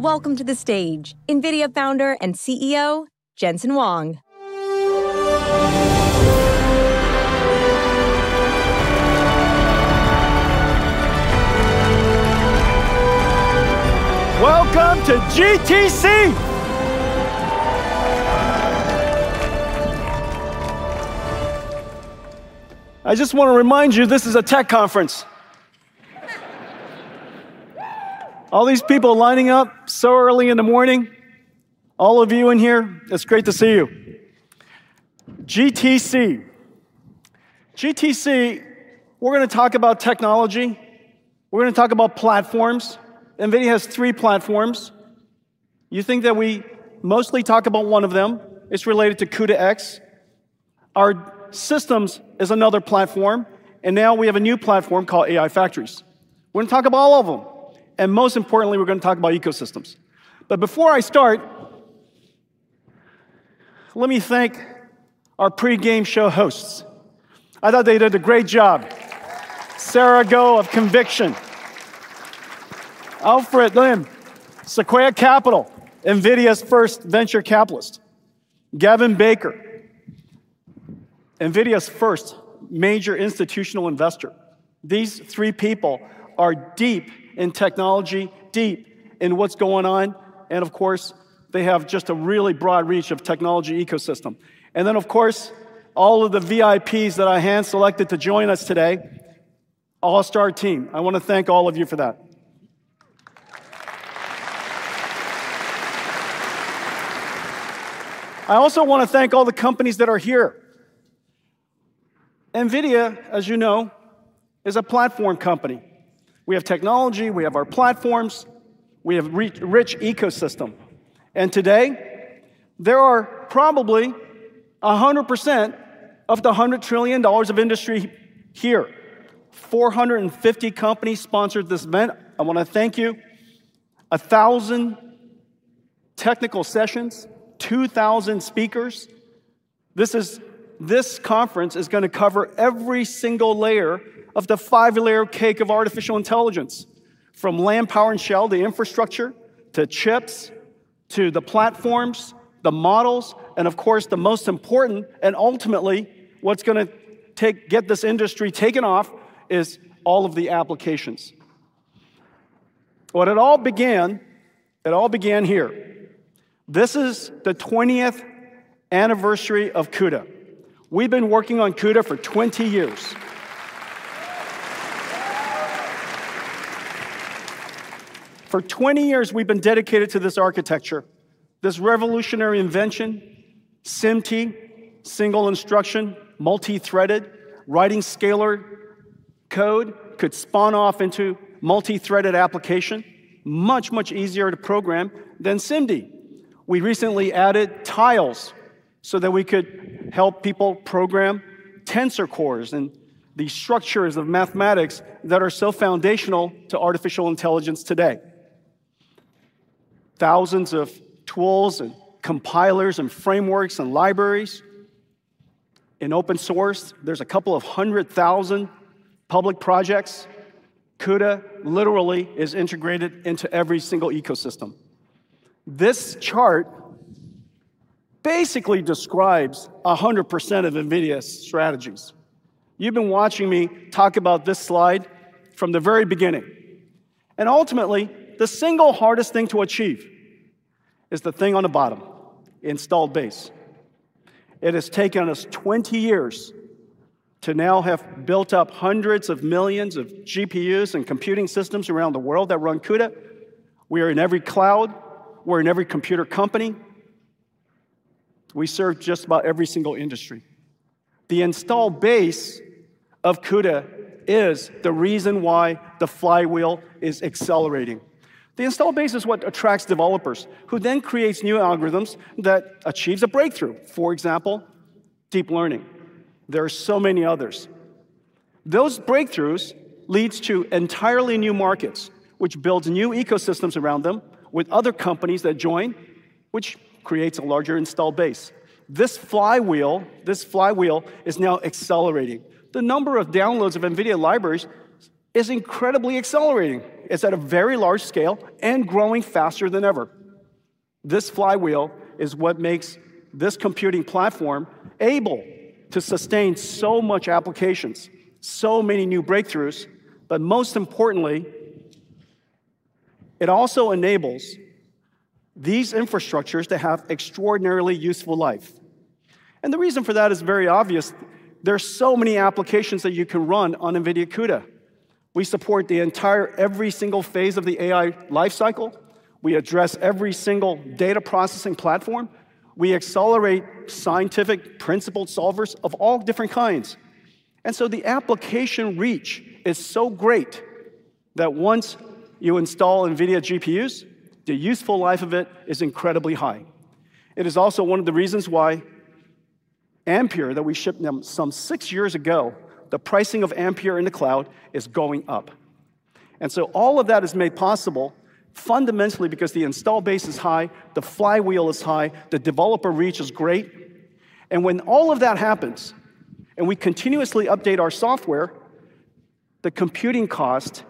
Welcome to the stage, NVIDIA Founder and CEO, Jensen Huang. Welcome to GTC. I just wanna remind you this is a tech conference. All these people lining up so early in the morning, all of you in here, it's great to see you. GTC, we're gonna talk about technology, we're gonna talk about platforms. NVIDIA has three platforms. You think that we mostly talk about one of them. It's related to CUDA-X. Our systems is another platform, and now we have a new platform called AI Factories. We're gonna talk about all of them, and most importantly, we're gonna talk about ecosystems. Before I start, let me thank our pre-game show hosts. I thought they did a great job. Sarah Guo of Conviction. Alfred Lin, Sequoia Capital, NVIDIA's first venture capitalist. Gavin Baker, NVIDIA's first major institutional investor. These three people are deep in technology, deep in what's going on, and of course, they have just a really broad reach of technology ecosystem. Of course, all of the VIPs that I hand selected to join us today, all-star team. I wanna thank all of you for that. I also wanna thank all the companies that are here. NVIDIA, as you know, is a platform company. We have technology, we have our platforms, we have rich ecosystem. Today, there are probably 100% of the $100 trillion of industry here. 450 companies sponsored this event. I wanna thank you. 1,000 technical sessions, 2,000 speakers. This conference is gonna cover every single layer of the five-layer cake of artificial intelligence, from land, power, and shell, the infrastructure, to chips, to the platforms, the models, and of course, the most important and ultimately what's gonna get this industry taken off, is all of the applications. It all began here. This is the 20th anniversary of CUDA. We've been working on CUDA for 20 years. For 20 years, we've been dedicated to this architecture. This revolutionary invention, SIMT, single instruction, multi-threaded, writing scalar code could spawn off into multi-threaded application. Much, much easier to program than SIMD. We recently added tiles so that we could help people program tensor cores and the structures of mathematics that are so foundational to artificial intelligence today. Thousands of tools and compilers and frameworks and libraries. In open source, there's a couple hundred thousand public projects. CUDA literally is integrated into every single ecosystem. This chart basically describes 100% of NVIDIA's strategies. You've been watching me talk about this slide from the very beginning. Ultimately, the single hardest thing to achieve is the thing on the bottom, installed base. It has taken us 20 years to now have built up hundreds of millions of GPUs and computing systems around the world that run CUDA. We are in every cloud. We're in every computer company. We serve just about every single industry. The install base of CUDA is the reason why the flywheel is accelerating. The install base is what attracts developers, who then creates new algorithms that achieves a breakthrough. For example, deep learning. There are so many others. Those breakthroughs leads to entirely new markets, which builds new ecosystems around them with other companies that join, which creates a larger install base. This flywheel is now accelerating. The number of downloads of NVIDIA libraries is incredibly accelerating. It's at a very large scale and growing faster than ever. This flywheel is what makes this computing platform able to sustain so much applications, so many new breakthroughs, but most importantly, it also enables these infrastructures to have extraordinarily useful life. The reason for that is very obvious. There are so many applications that you can run on NVIDIA CUDA. We support every single phase of the AI life cycle. We address every single data processing platform. We accelerate scientific principal solvers of all different kinds. The application reach is so great that once you install NVIDIA GPUs, the useful life of it is incredibly high. It is also one of the reasons why Ampere, that we shipped them some six years ago, the pricing of Ampere in the cloud is going up. All of that is made possible fundamentally because the install base is high, the flywheel is high, the developer reach is great. When all of that happens, and we continuously update our software. The computing cost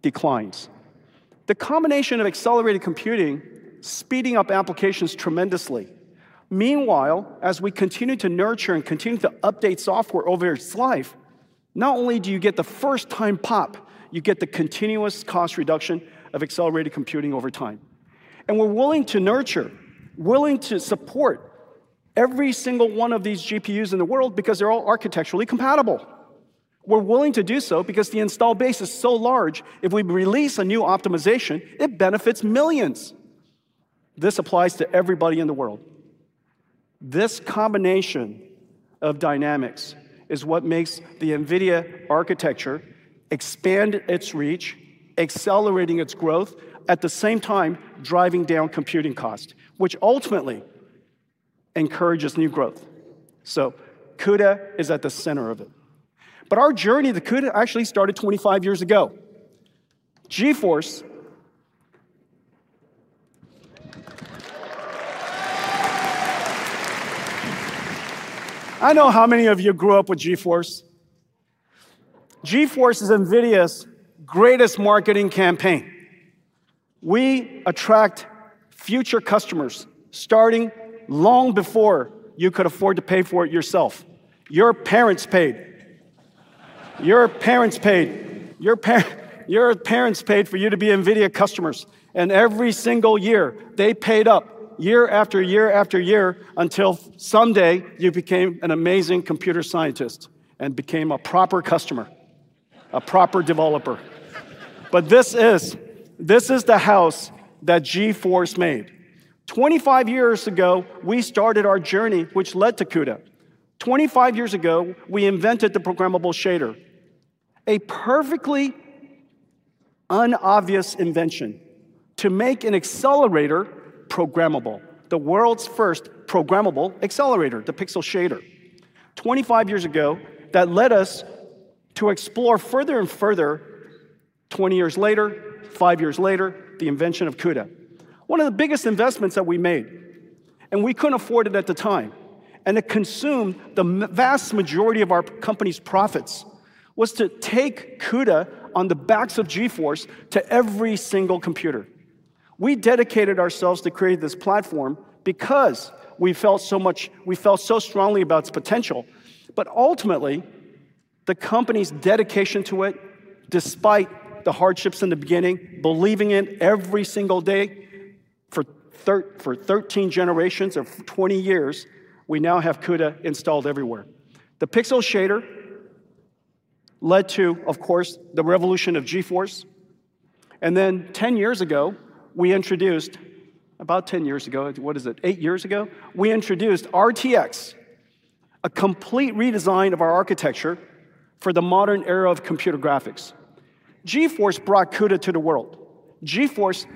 declines. The combination of accelerated computing speeding up applications tremendously. Meanwhile, as we continue to nurture and continue to update software over its life, not only do you get the first time pop, you get the continuous cost reduction of accelerated computing over time. We're willing to nurture, willing to support every single one of these GPUs in the world because they're all architecturally compatible. We're willing to do so because the install base is so large, if we release a new optimization, it benefits millions. This applies to everybody in the world. This combination of dynamics is what makes the NVIDIA architecture expand its reach, accelerating its growth, at the same time driving down computing cost, which ultimately encourages new growth. CUDA is at the center of it. Our journey to CUDA actually started 25 years ago. GeForce. I don't know how many of you grew up with GeForce? GeForce is NVIDIA's greatest marketing campaign. We attract future customers starting long before you could afford to pay for it yourself. Your parents paid. Your parents paid for you to be NVIDIA customers, and every single year they paid up, year after year after year, until someday you became an amazing computer scientist and became a proper customer. A proper developer. This is the house that GeForce made. 25 years ago, we started our journey, which led to CUDA. 25 years ago, we invented the programmable shader. A perfectly unobvious invention to make an accelerator programmable. The world's first programmable accelerator, the pixel shader. 25 years ago, that led us to explore further and further. 20 years later, five years later, the invention of CUDA. One of the biggest investments that we made, and we couldn't afford it at the time, and it consumed the vast majority of our company's profits, was to take CUDA on the backs of GeForce to every single computer. We dedicated ourselves to create this platform because we felt so strongly about its potential. Ultimately, the company's dedication to it, despite the hardships in the beginning, believing in every single day for 13 generations of 20 years, we now have CUDA installed everywhere. The pixel shader led to, of course, the revolution of GeForce. Eight years ago, we introduced RTX, a complete redesign of our architecture for the modern era of computer graphics. GeForce brought CUDA to the world. GeForce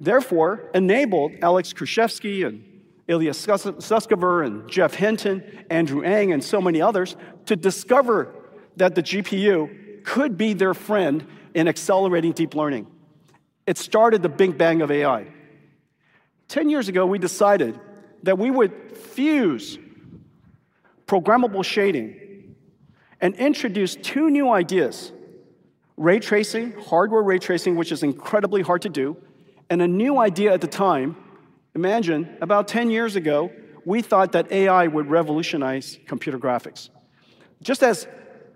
therefore enabled Alex Krizhevsky and Ilya Sutskever, and Geoffrey Hinton, Andrew Ng, and so many others to discover that the GPU could be their friend in accelerating deep learning. It started the big bang of AI. 10 years ago, we decided that we would fuse programmable shading and introduce two new ideas, ray tracing, hardware ray tracing, which is incredibly hard to do, and a new idea at the time. Imagine, about 10 years ago, we thought that AI would revolutionize computer graphics. Just as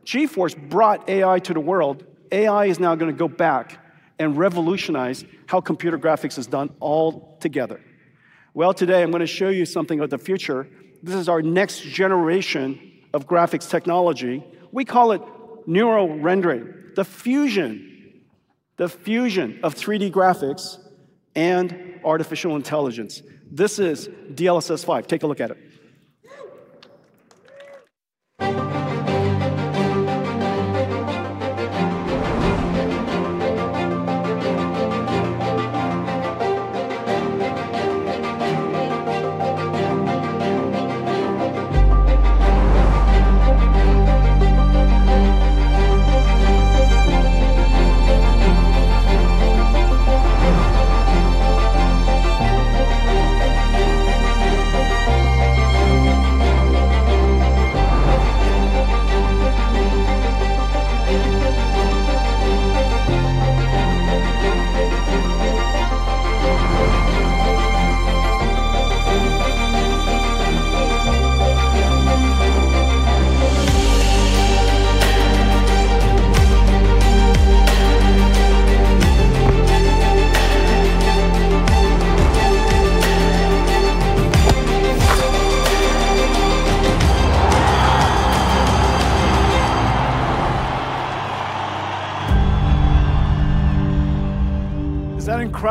GeForce brought AI to the world, AI is now gonna go back and revolutionize how computer graphics is done altogether. Well, today I'm gonna show you something of the future. This is our next generation of graphics technology. We call it neural rendering. The fusion of 3D graphics and artificial intelligence. This is DLSS 5. Take a look at it.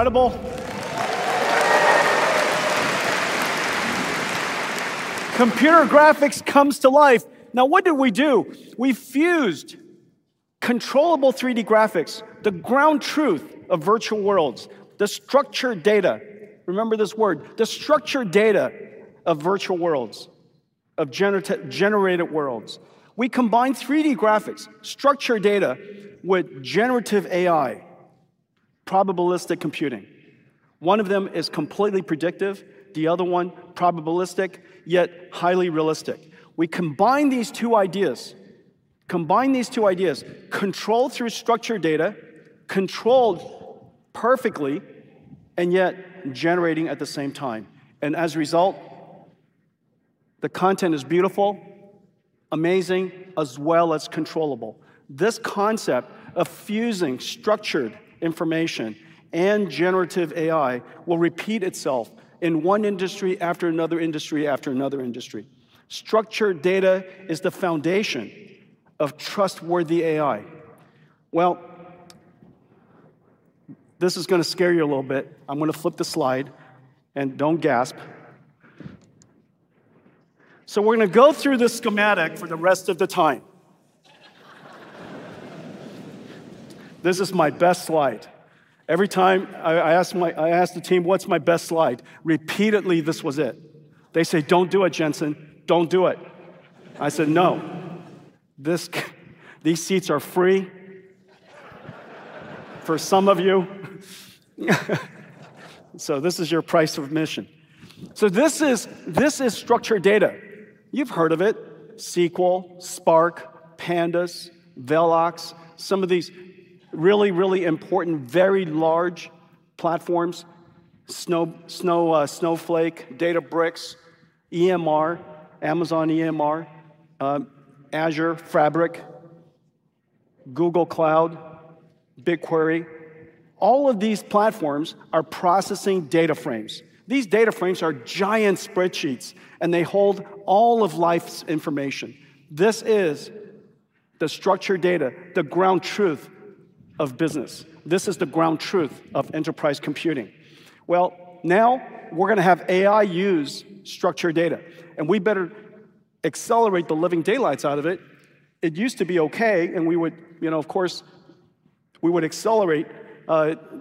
Is that incredible? Computer graphics comes to life. Now, what did we do? We fused controllable 3D graphics, the ground truth of virtual worlds, the structured data, remember this word, the structured data of virtual worlds, of generated worlds. We combined 3D graphics, structured data, with generative AI. Probabilistic computing. One of them is completely predictive, the other one probabilistic, yet highly realistic. We combine these two ideas, control through structured data, controlled perfectly, and yet generating at the same time. As a result, the content is beautiful, amazing, as well as controllable. This concept of fusing structured information and generative AI will repeat itself in one industry after another. Structured data is the foundation of trustworthy AI. Well, this is gonna scare you a little bit. I'm gonna flip the slide, and don't gasp. We're gonna go through this schematic for the rest of the time. This is my best slide. Every time I ask the team, "What's my best slide?" Repeatedly, this was it. They say, "Don't do it, Jensen. Don't do it." I said, "No, these seats are free for some of you." So this is your price of admission. This is structured data. You've heard of it, SQL, Spark, Pandas, Velox, some of these important, very large platforms. Snowflake, Databricks, EMR, Amazon EMR, Azure, Fabric, Google Cloud, BigQuery. All of these platforms are processing data frames. These data frames are giant spreadsheets, and they hold all of life's information. This is the structured data, the ground truth of business. This is the ground truth of enterprise computing. Well, now we're gonna have AI use structured data, and we better accelerate the living daylights out of it. It used to be okay, and we would, you know, of course, we would accelerate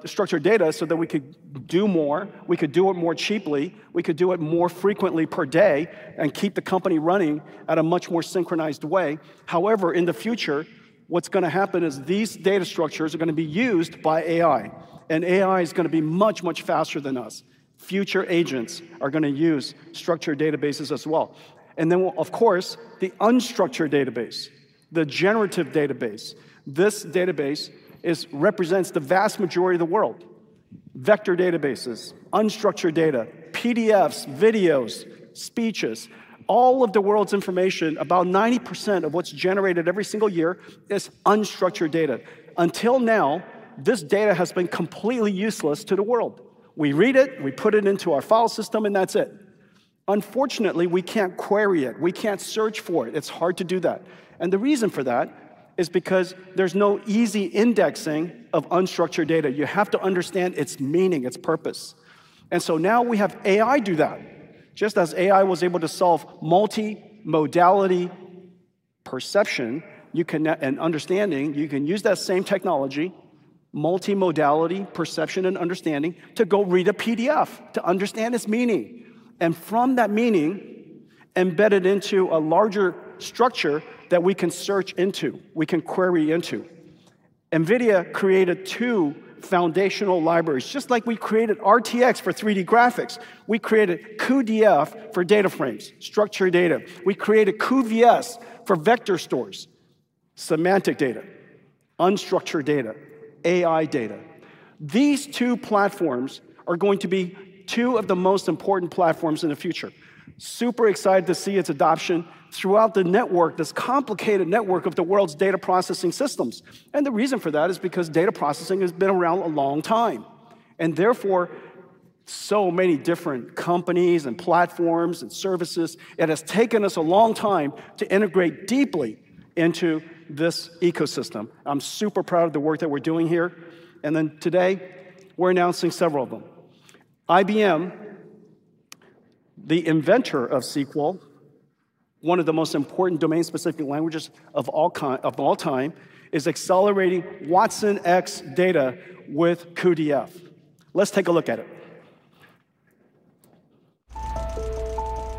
structured data so that we could do more, we could do it more cheaply, we could do it more frequently per day and keep the company running at a much more synchronized way. However, in the future, what's gonna happen is these data structures are gonna be used by AI, and AI is gonna be much, much faster than us. Future agents are gonna use structured databases as well. We'll, of course, the unstructured database, the generative database. This database represents the vast majority of the world. Vector databases, unstructured data, PDFs, videos, speeches, all of the world's information, about 90% of what's generated every single year is unstructured data. Until now, this data has been completely useless to the world. We read it, we put it into our file system, and that's it. Unfortunately, we can't query it. We can't search for it. It's hard to do that. The reason for that is because there's no easy indexing of unstructured data. You have to understand its meaning, its purpose. Now we have AI do that. Just as AI was able to solve multi-modality perception and understanding, you can use that same technology, multi-modality perception and understanding, to go read a PDF, to understand its meaning, and from that meaning, embed it into a larger structure that we can search into, we can query into. NVIDIA created two foundational libraries. Just like we created RTX for 3D graphics, we created cuDF for data frames, structured data. We created cuVS for vector stores, semantic data, unstructured data, AI data. These two platforms are going to be two of the most important platforms in the future. Super excited to see its adoption throughout the network, this complicated network of the world's data processing systems. The reason for that is because data processing has been around a long time, and therefore, so many different companies and platforms and services, it has taken us a long time to integrate deeply into this ecosystem. I'm super proud of the work that we're doing here, and then today we're announcing several of them. IBM, the inventor of SQL, one of the most important domain-specific languages of all time, is accelerating watsonx.data with cuDF. Let's take a look at it.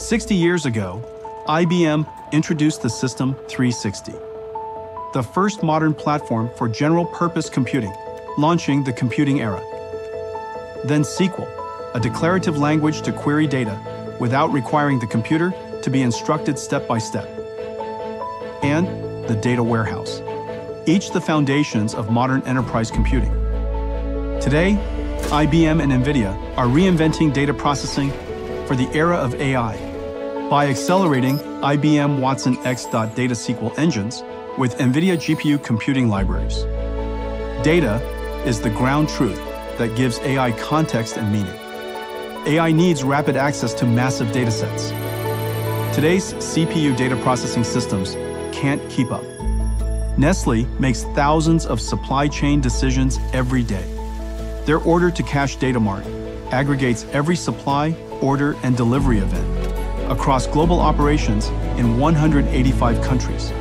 60 years ago, IBM introduced the System/360, the first modern platform for general purpose computing, launching the computing era. SQL, a declarative language to query data without requiring the computer to be instructed step-by-step, and the data warehouse are the foundations of modern enterprise computing. Today, IBM and NVIDIA are reinventing data processing for the era of AI by accelerating IBM watsonx.data SQL engines with NVIDIA GPU computing libraries. Data is the ground truth that gives AI context and meaning. AI needs rapid access to massive datasets. Today's CPU data processing systems can't keep up. Nestlé makes thousands of supply chain decisions every day. Their order to cash data mart aggregates every supply, order, and delivery event across global operations in 185 countries.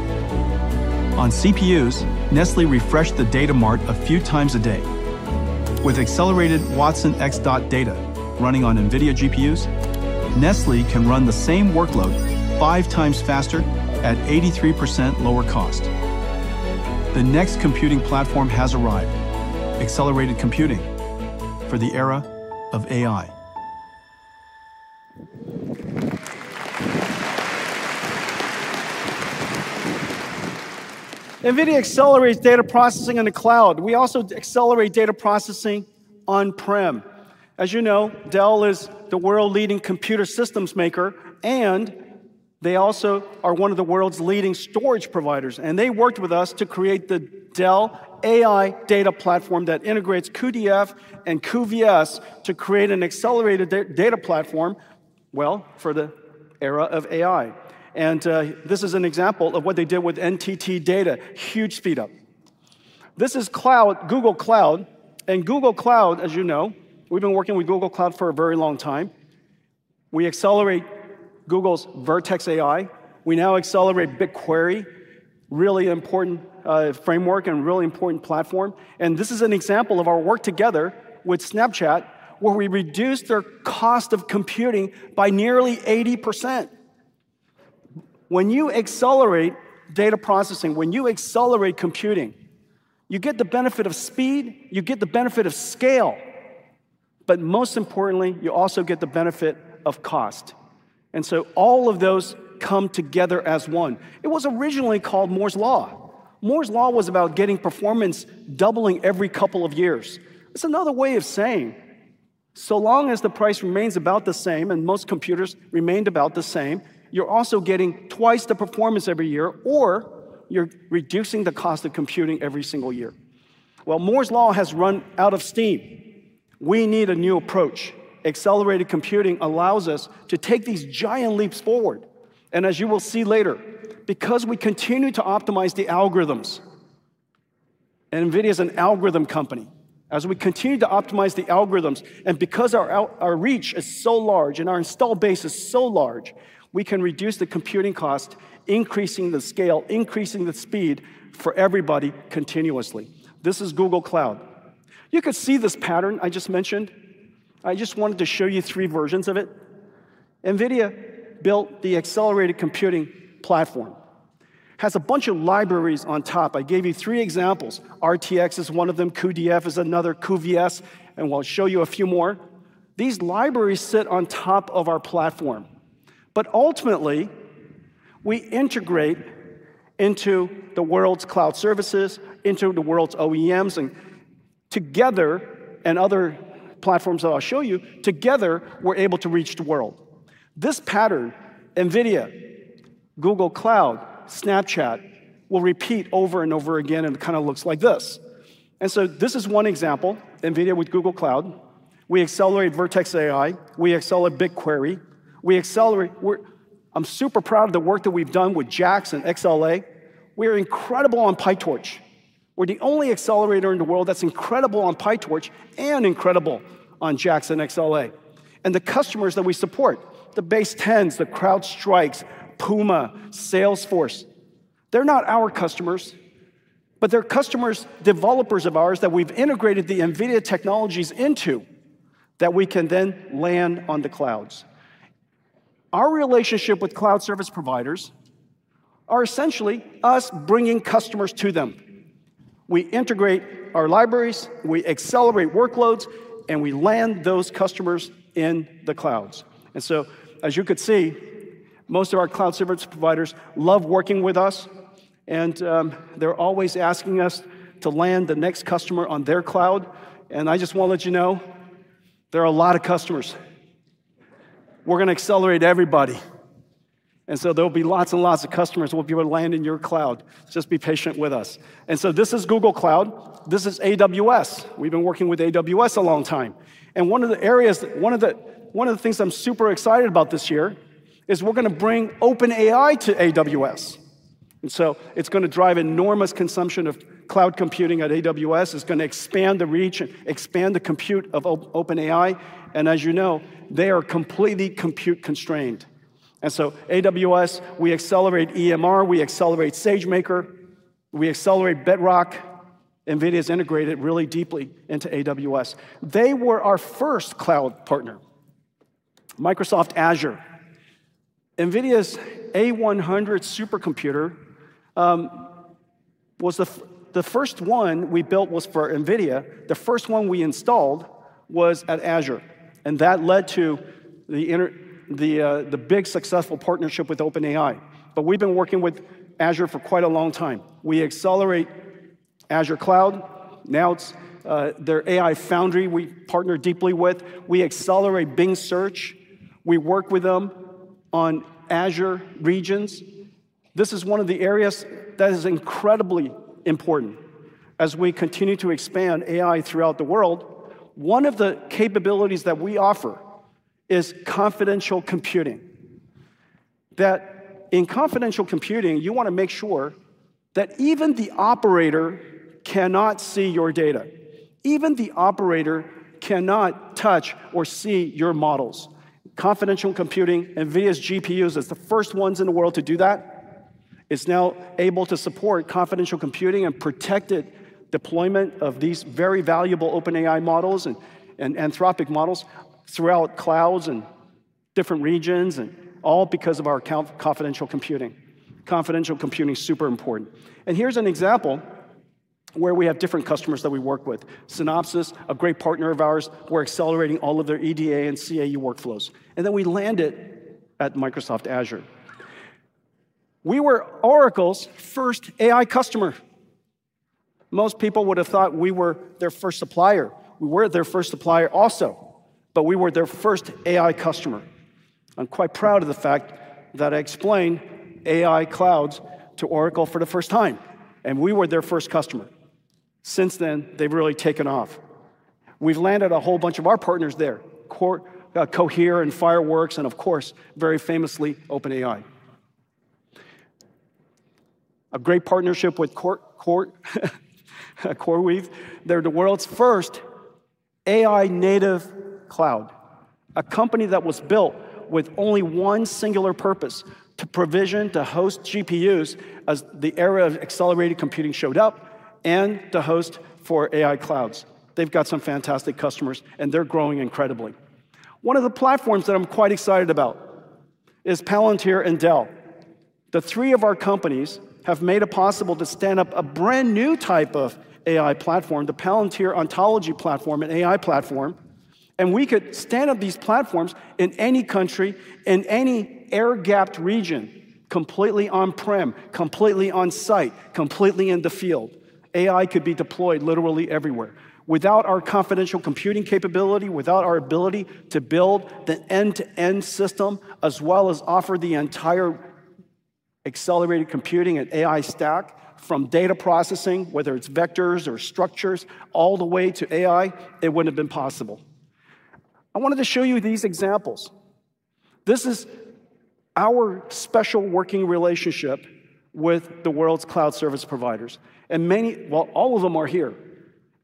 On CPUs, Nestlé refreshed the data mart a few times a day. With accelerated watsonx.data running on NVIDIA GPUs, Nestlé can run the same workload five times faster at 83% lower cost. The next computing platform has arrived, accelerated computing for the era of AI. NVIDIA accelerates data processing in the cloud. We also accelerate data processing on-prem. As you know, Dell is the world-leading computer systems maker, and they also are one of the world's leading storage providers. They worked with us to create the Dell AI Data Platform that integrates cuDF and cuVS to create an accelerated data platform, well, for the era of AI. This is an example of what they did with NTT DATA. Huge speed-up. This is cloud, Google Cloud. Google Cloud, as you know, we've been working with Google Cloud for a very long time. We accelerate Google's Vertex AI. We now accelerate BigQuery, really important framework and really important platform. This is an example of our work together with Snapchat, where we reduced their cost of computing by nearly 80%. When you accelerate data processing, when you accelerate computing, you get the benefit of speed, you get the benefit of scale, but most importantly, you also get the benefit of cost. All of those come together as one. It was originally called Moore's Law. Moore's Law was about getting performance doubling every couple of years. It's another way of saying, so long as the price remains about the same and most computers remained about the same, you're also getting twice the performance every year, or you're reducing the cost of computing every single year. Well, Moore's Law has run out of steam. We need a new approach. Accelerated computing allows us to take these giant leaps forward. As you will see later, because we continue to optimize the algorithms, and NVIDIA is an algorithm company, as we continue to optimize the algorithms, and because our reach is so large and our install base is so large, we can reduce the computing cost, increasing the scale, increasing the speed for everybody continuously. This is Google Cloud. You can see this pattern I just mentioned. I just wanted to show you three versions of it. NVIDIA built the accelerated computing platform. Has a bunch of libraries on top. I gave you three examples. RTX is one of them, cuDF is another, cuVS, and we'll show you a few more. These libraries sit on top of our platform, but ultimately, we integrate into the world's cloud services, into the world's OEMs, and together, and other platforms that I'll show you, together, we're able to reach the world. This pattern, NVIDIA, Google Cloud, Snapchat, will repeat over and over again, and it kinda looks like this. This is one example, NVIDIA with Google Cloud. We accelerate Vertex AI. We accelerate BigQuery. I'm super proud of the work that we've done with JAX and XLA. We're incredible on PyTorch. We're the only accelerator in the world that's incredible on PyTorch and incredible on JAX and XLA. The customers that we support, the Basetens, the CrowdStrikes, Puma, Salesforce, they're not our customers, but they're customers, developers of ours that we've integrated the NVIDIA technologies into that we can then land on the clouds. Our relationship with cloud service providers are essentially us bringing customers to them. We integrate our libraries, we accelerate workloads, and we land those customers in the clouds. As you could see, most of our cloud service providers love working with us and they're always asking us to land the next customer on their cloud. I just wanna let you know, there are a lot of customers. We're gonna accelerate everybody. There'll be lots and lots of customers we'll be able to land in your cloud. Just be patient with us. This is Google Cloud. This is AWS. We've been working with AWS a long time. One of the things I'm super excited about this year is we're gonna bring OpenAI to AWS. It's gonna drive enormous consumption of cloud computing at AWS. It's gonna expand the reach and expand the compute of OpenAI. As you know, they are completely compute constrained. AWS, we accelerate EMR, we accelerate SageMaker, we accelerate Bedrock. NVIDIA's integrated really deeply into AWS. They were our first cloud partner. Microsoft Azure. NVIDIA's A100 supercomputer was the first one we built was for NVIDIA. The first one we installed was at Azure, and that led to the big successful partnership with OpenAI. We've been working with Azure for quite a long time. We accelerate Azure Cloud. Now it's their AI Foundry we partner deeply with. We accelerate Bing Search. We work with them on Azure regions. This is one of the areas that is incredibly important. As we continue to expand AI throughout the world, one of the capabilities that we offer is confidential computing, that in confidential computing, you wanna make sure that even the operator cannot see your data, even the operator cannot touch or see your models. Confidential computing, NVIDIA's GPUs is the first ones in the world to do that. It's now able to support confidential computing and protected deployment of these very valuable OpenAI models and anthropic models throughout clouds and different regions and all because of our confidential computing. Confidential computing is super important. Here's an example where we have different customers that we work with. Synopsys, a great partner of ours, we're accelerating all of their EDA and CAE workflows. Then we land it at Microsoft Azure. We were Oracle's first AI customer. Most people would have thought we were their first supplier. We were their first supplier also, but we were their first AI customer. I'm quite proud of the fact that I explained AI clouds to Oracle for the first time, and we were their first customer. Since then, they've really taken off. We've landed a whole bunch of our partners there, Cohere and Fireworks, and of course, very famously, OpenAI. A great partnership with CoreWeave. They're the world's first AI-native cloud. A company that was built with only one singular purpose, to provision, to host GPUs as the era of accelerated computing showed up and to host for AI clouds. They've got some fantastic customers and they're growing incredibly. One of the platforms that I'm quite excited about is Palantir and Dell. The three of our companies have made it possible to stand up a brand-new type of AI platform, the Palantir Ontology platform, an AI platform. We could stand up these platforms in any country, in any air-gapped region, completely on-prem, completely on-site, completely in the field. AI could be deployed literally everywhere. Without our confidential computing capability, without our ability to build the end-to-end system, as well as offer the entire accelerated computing and AI stack from data processing, whether it's vectors or structures, all the way to AI, it wouldn't have been possible. I wanted to show you these examples. This is our special working relationship with the world's cloud service providers. Many, well, all of them are here.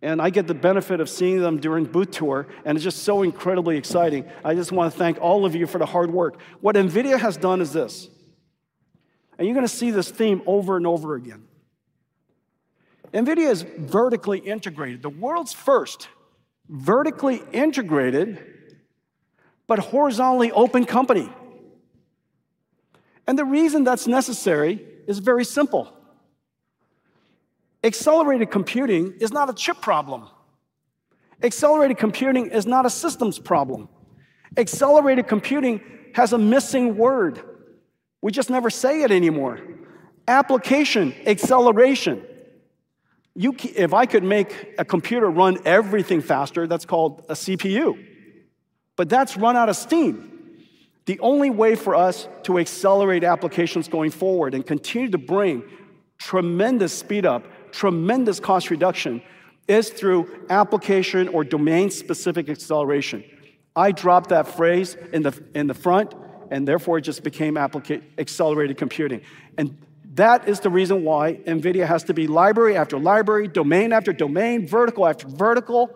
I get the benefit of seeing them during booth tour, and it's just so incredibly exciting. I just want to thank all of you for the hard work. What NVIDIA has done is this. You're going to see this theme over and over again. NVIDIA is vertically integrated, the world's first vertically integrated but horizontally open company. The reason that's necessary is very simple. Accelerated computing is not a chip problem. Accelerated computing is not a systems problem. Accelerated computing has a missing word. We just never say it anymore. Application acceleration. If I could make a computer run everything faster, that's called a CPU. That's run out of steam. The only way for us to accelerate applications going forward and continue to bring tremendous speed up, tremendous cost reduction, is through application or domain-specific acceleration. I dropped that phrase in the front, and therefore it just became accelerated computing. That is the reason why NVIDIA has to be library after library, domain after domain, vertical after vertical.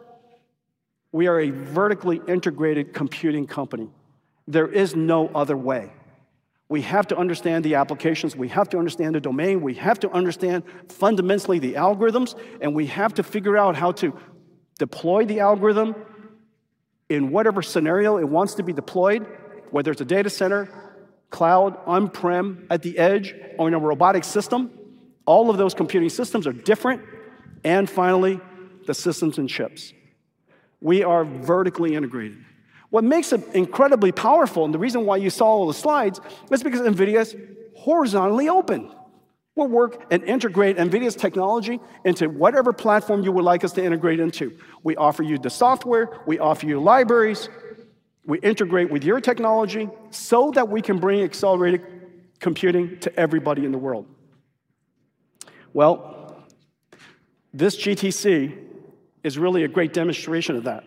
We are a vertically integrated computing company. There is no other way. We have to understand the applications. We have to understand the domain. We have to understand fundamentally the algorithms. We have to figure out how to deploy the algorithm in whatever scenario it wants to be deployed, whether it's a data center, cloud, on-prem, at the edge, or in a robotic system. All of those computing systems are different. Finally, the systems and chips. We are vertically integrated. What makes it incredibly powerful, and the reason why you saw all the slides, is because NVIDIA is horizontally open. We'll work and integrate NVIDIA's technology into whatever platform you would like us to integrate into. We offer you the software. We offer you libraries. We integrate with your technology so that we can bring accelerated computing to everybody in the world. Well, this GTC is really a great demonstration of that.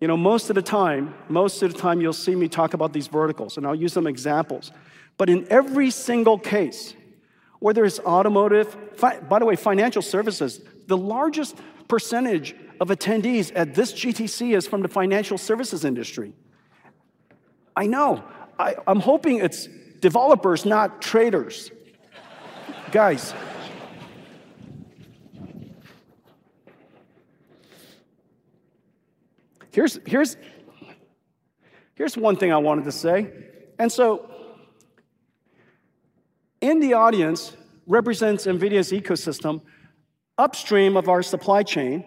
You know, most of the time you'll see me talk about these verticals, and I'll use some examples. In every single case, whether it's automotive, by the way, financial services, the largest percentage of attendees at this GTC is from the financial services industry. I know. I'm hoping it's developers, not traders. Guys. Here's one thing I wanted to say. In the audience represents NVIDIA's ecosystem upstream of our supply chain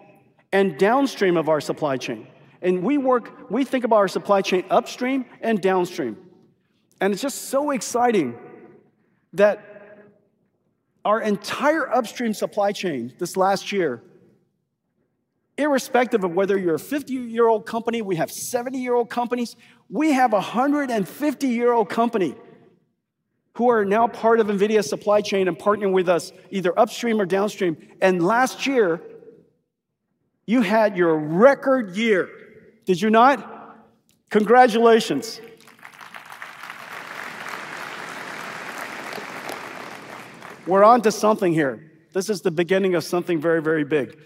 and downstream of our supply chain. We work, we think about our supply chain upstream and downstream. It's just so exciting that our entire upstream supply chain this last year, irrespective of whether you're a 50-year-old company, we have 70-year-old companies, we have a 150-year-old company who are now part of NVIDIA's supply chain and partnering with us either upstream or downstream. Last year, you had your record year. Did you not? Congratulations. We're onto something here. This is the beginning of something very, very big.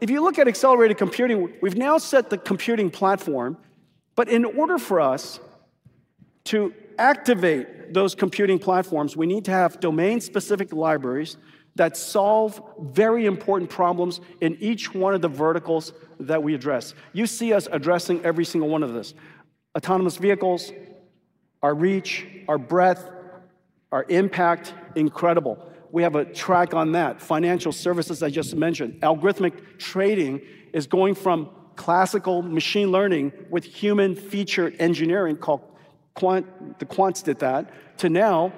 If you look at accelerated computing, we've now set the computing platform. In order for us to activate those computing platforms, we need to have domain-specific libraries that solve very important problems in each one of the verticals that we address. You see us addressing every single one of this. Autonomous vehicles. Our reach, our breadth, our impact, incredible. We have traction on that. Financial services, I just mentioned. Algorithmic trading is going from classical machine learning with human feature engineering called quant, the quants did that, to now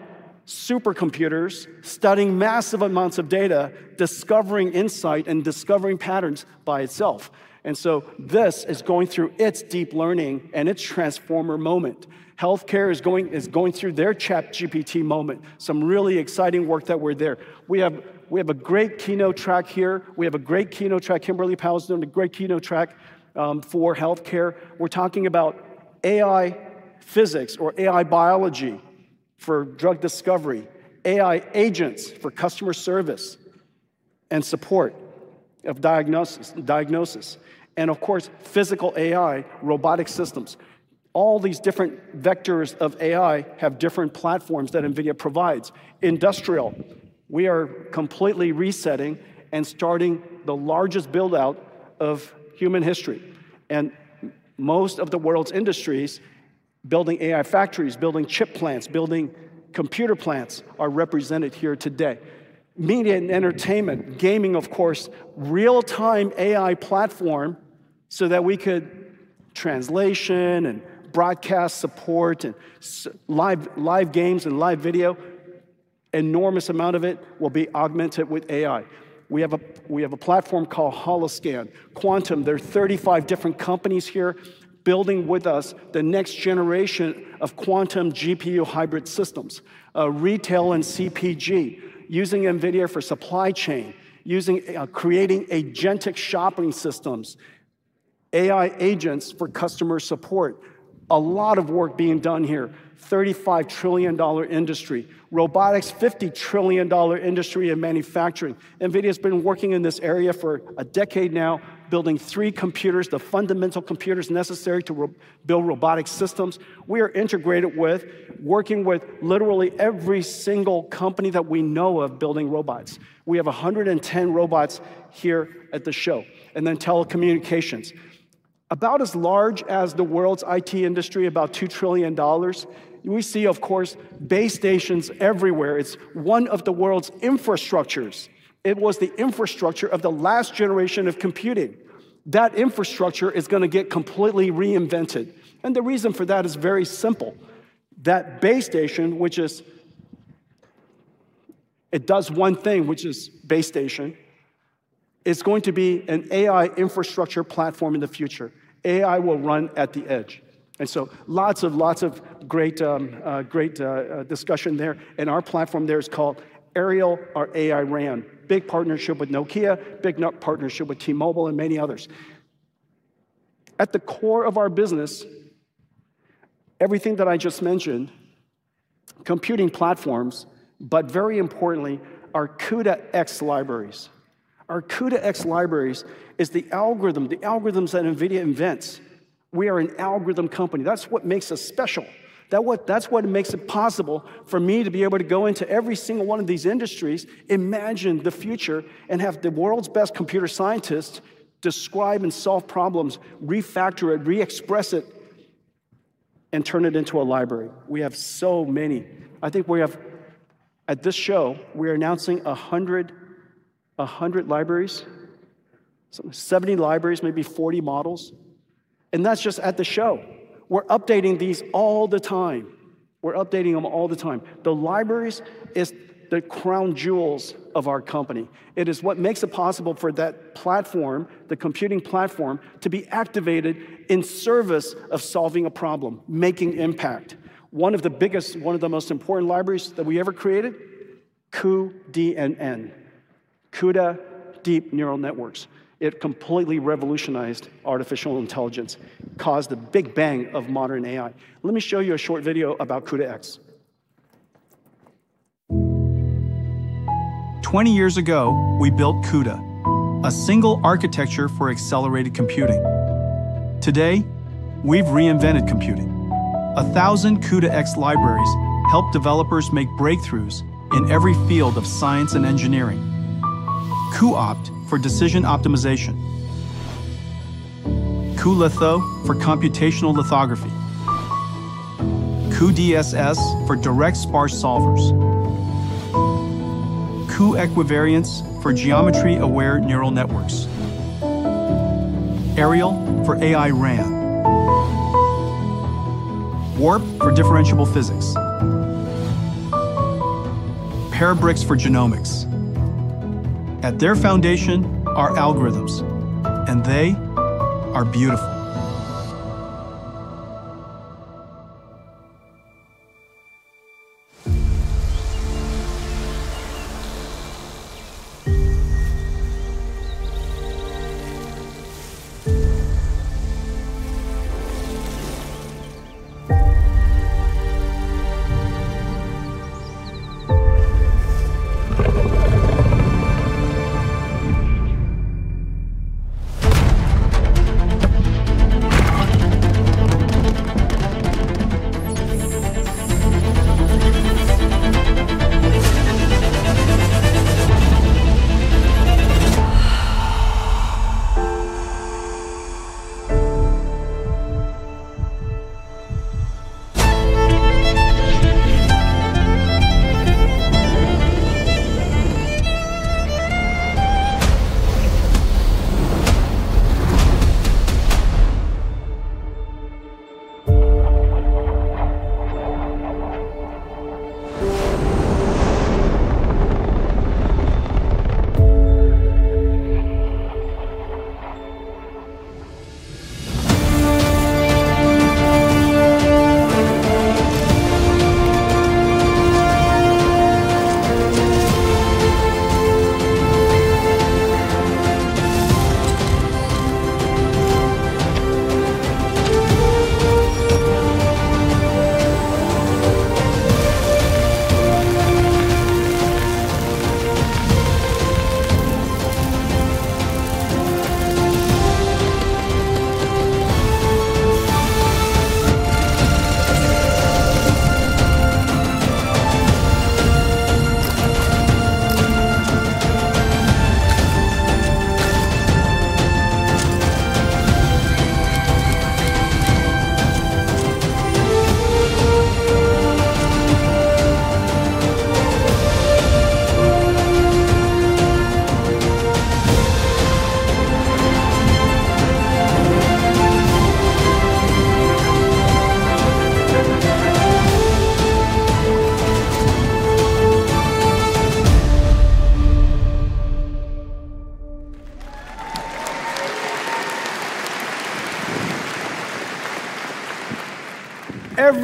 supercomputers studying massive amounts of data, discovering insight, and discovering patterns by itself. This is going through its deep learning and its transformer moment. Healthcare is going through their ChatGPT moment. Some really exciting work that we're doing there. We have a great keynote track here. Kimberly Powell's doing a great keynote track for healthcare. We're talking about AI physics or AI biology for drug discovery, AI agents for customer service and support of diagnosis, and of course, physical AI robotic systems. All these different vectors of AI have different platforms that NVIDIA provides. Industrial, we are completely resetting and starting the largest build-out of human history. Most of the world's industries building AI factories, building chip plants, building computer plants, are represented here today. Media and entertainment, gaming, of course, real-time AI platform so that we can do translation and broadcast support and live games and live video. Enormous amount of it will be augmented with AI. We have a platform called Holoscan. Quantum, there are 35 different companies here building with us the next generation of quantum GPU hybrid systems. Retail and CPG, using NVIDIA for supply chain, creating agentic shopping systems, AI agents for customer support. A lot of work being done here. $35 trillion industry. Robotics, $50 trillion industry in manufacturing. NVIDIA's been working in this area for a decade now, building three computers, the fundamental computers necessary to build robotic systems. We are integrated with working with literally every single company that we know of building robots. We have 110 robots here at the show. Then telecommunications. About as large as the world's IT industry, about $2 trillion. We see, of course, base stations everywhere. It's one of the world's infrastructures. It was the infrastructure of the last generation of computing. That infrastructure is gonna get completely reinvented. The reason for that is very simple. That base station, which does one thing, which is base station, is going to be an AI infrastructure platform in the future. AI will run at the edge. Lots of great discussion there. Our platform there is called Aerial or AI-RAN. Big partnership with Nokia, big partnership with T-Mobile and many others. At the core of our business, everything that I just mentioned, computing platforms, but very importantly, our CUDA-X libraries. Our CUDA-X libraries is the algorithm, the algorithms that NVIDIA invents. We are an algorithm company. That's what makes us special. That's what makes it possible for me to be able to go into every single one of these industries, imagine the future, and have the world's best computer scientists describe and solve problems, refactor it, re-express it, and turn it into a library. We have so many. I think we have, at this show, we're announcing 100 libraries, 70 libraries, maybe 40 models, and that's just at the show. We're updating these all the time. We're updating them all the time. The libraries is the crown jewels of our company. It is what makes it possible for that platform, the computing platform, to be activated in service of solving a problem, making impact. One of the biggest, one of the most important libraries that we ever created, cuDNN, CUDA Deep Neural Network. It completely revolutionized artificial intelligence, caused a big bang of modern AI. Let me show you a short video about CUDA-X. 20 years ago, we built CUDA, a single architecture for accelerated computing. Today, we've reinvented computing. 1,000 CUDA-X libraries help developers make breakthroughs in every field of science and engineering. cuOpt for decision optimization. cuLitho for computational lithography. cuDSS for direct sparse solvers. cuEquivariance for geometry-aware neural networks. Aerial for AI-RAN. Warp for differentiable physics. Parabricks for genomics. At their foundation are algorithms, and they are beautiful.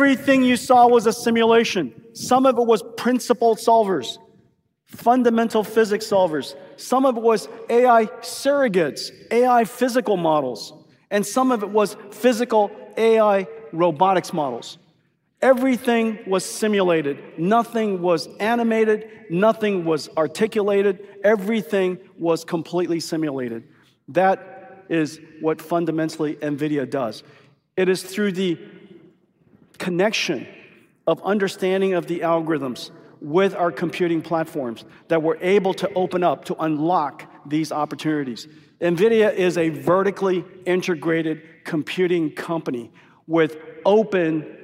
Everything you saw was a simulation. Some of it was principle solvers, fundamental physics solvers. Some of it was AI surrogates, AI physical models, and some of it was physical AI robotics models. Everything was simulated. Nothing was animated. Nothing was articulated. Everything was completely simulated. That is what fundamentally NVIDIA does. It is through the connection of understanding of the algorithms with our computing platforms that we're able to open up to unlock these opportunities. NVIDIA is a vertically integrated computing company with open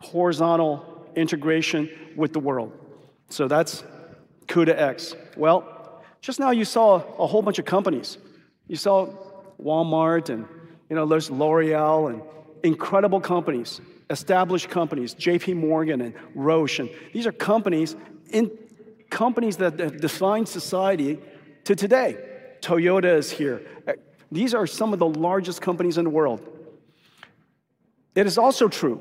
horizontal integration with the world. That's CUDA-X. Well, just now you saw a whole bunch of companies. You saw Walmart and, you know, there's L'Oréal and incredible companies, established companies, JPMorgan and Roche, and these are companies that define society today. Toyota is here. These are some of the largest companies in the world. It is also true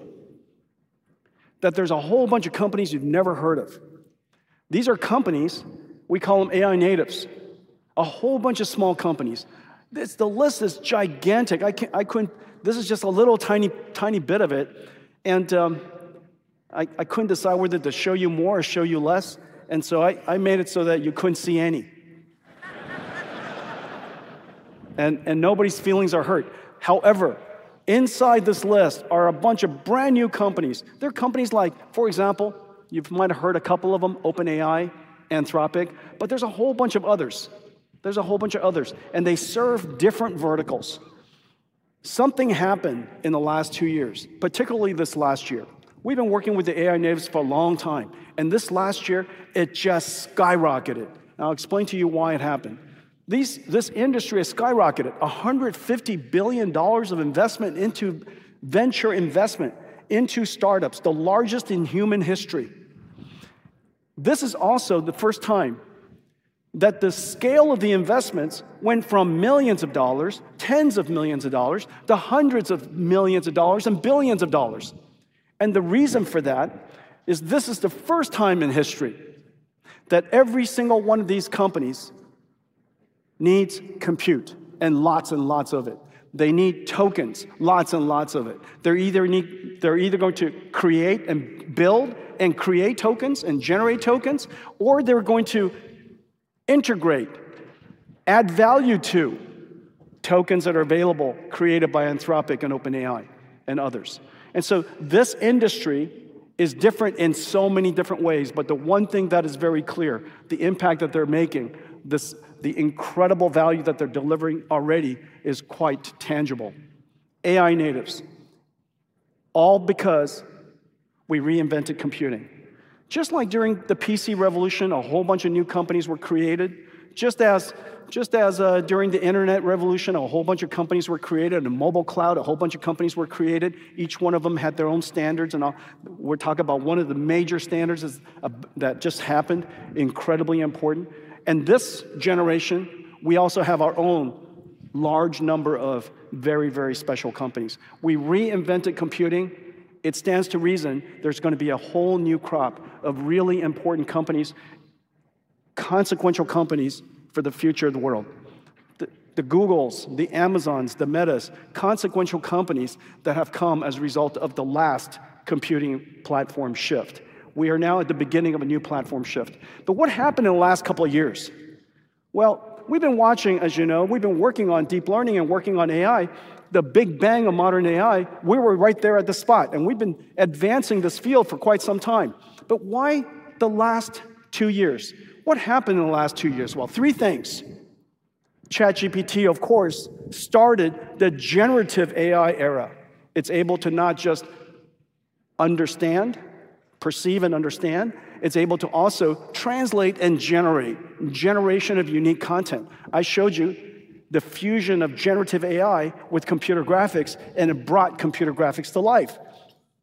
that there's a whole bunch of companies you've never heard of. These are companies, we call them AI natives, a whole bunch of small companies. The list is gigantic. I couldn't decide whether to show you more or show you less, and so I made it so that you couldn't see any. Nobody's feelings are hurt. However, inside this list are a bunch of brand-new companies. They're companies like, for example, you might have heard a couple of them, OpenAI, Anthropic, but there's a whole bunch of others. There's a whole bunch of others, and they serve different verticals. Something happened in the last two years, particularly this last year. We've been working with the AI natives for a long time, and this last year it just skyrocketed, and I'll explain to you why it happened. This industry has skyrocketed. $150 billion of investment into venture investment, into startups, the largest in human history. This is also the first time that the scale of the investments went from millions of dollars, tens of millions of dollars, to hundreds of millions of dollars and billions of dollars. The reason for that is this is the first time in history that every single one of these companies needs compute and lots and lots of it. They need tokens, lots and lots of it. They're either going to create and build and create tokens and generate tokens, or they're going to integrate, add value to tokens that are available, created by Anthropic and OpenAI and others. This industry is different in so many different ways, but the one thing that is very clear, the impact that they're making, this, the incredible value that they're delivering already is quite tangible. AI natives, all because we reinvented computing. Just like during the PC revolution, a whole bunch of new companies were created. Just as during the internet revolution, a whole bunch of companies were created. In mobile cloud, a whole bunch of companies were created. Each one of them had their own standards and all. We'll talk about one of the major standards is that just happened, incredibly important. This generation, we also have our own large number of very, very special companies. We reinvented computing. It stands to reason there's gonna be a whole new crop of really important companies, consequential companies for the future of the world. The Googles, the Amazons, the Metas, consequential companies that have come as a result of the last computing platform shift. We are now at the beginning of a new platform shift. What happened in the last couple of years? Well, we've been watching, as you know, we've been working on deep learning and working on AI. The big bang of modern AI, we were right there at the spot, and we've been advancing this field for quite some time. Why the last two years? What happened in the last two years? Well, three things. ChatGPT, of course, started the generative AI era. It's able to not just understand, perceive and understand, it's able to also translate and generate. Generation of unique content. I showed you the fusion of generative AI with computer graphics, and it brought computer graphics to life.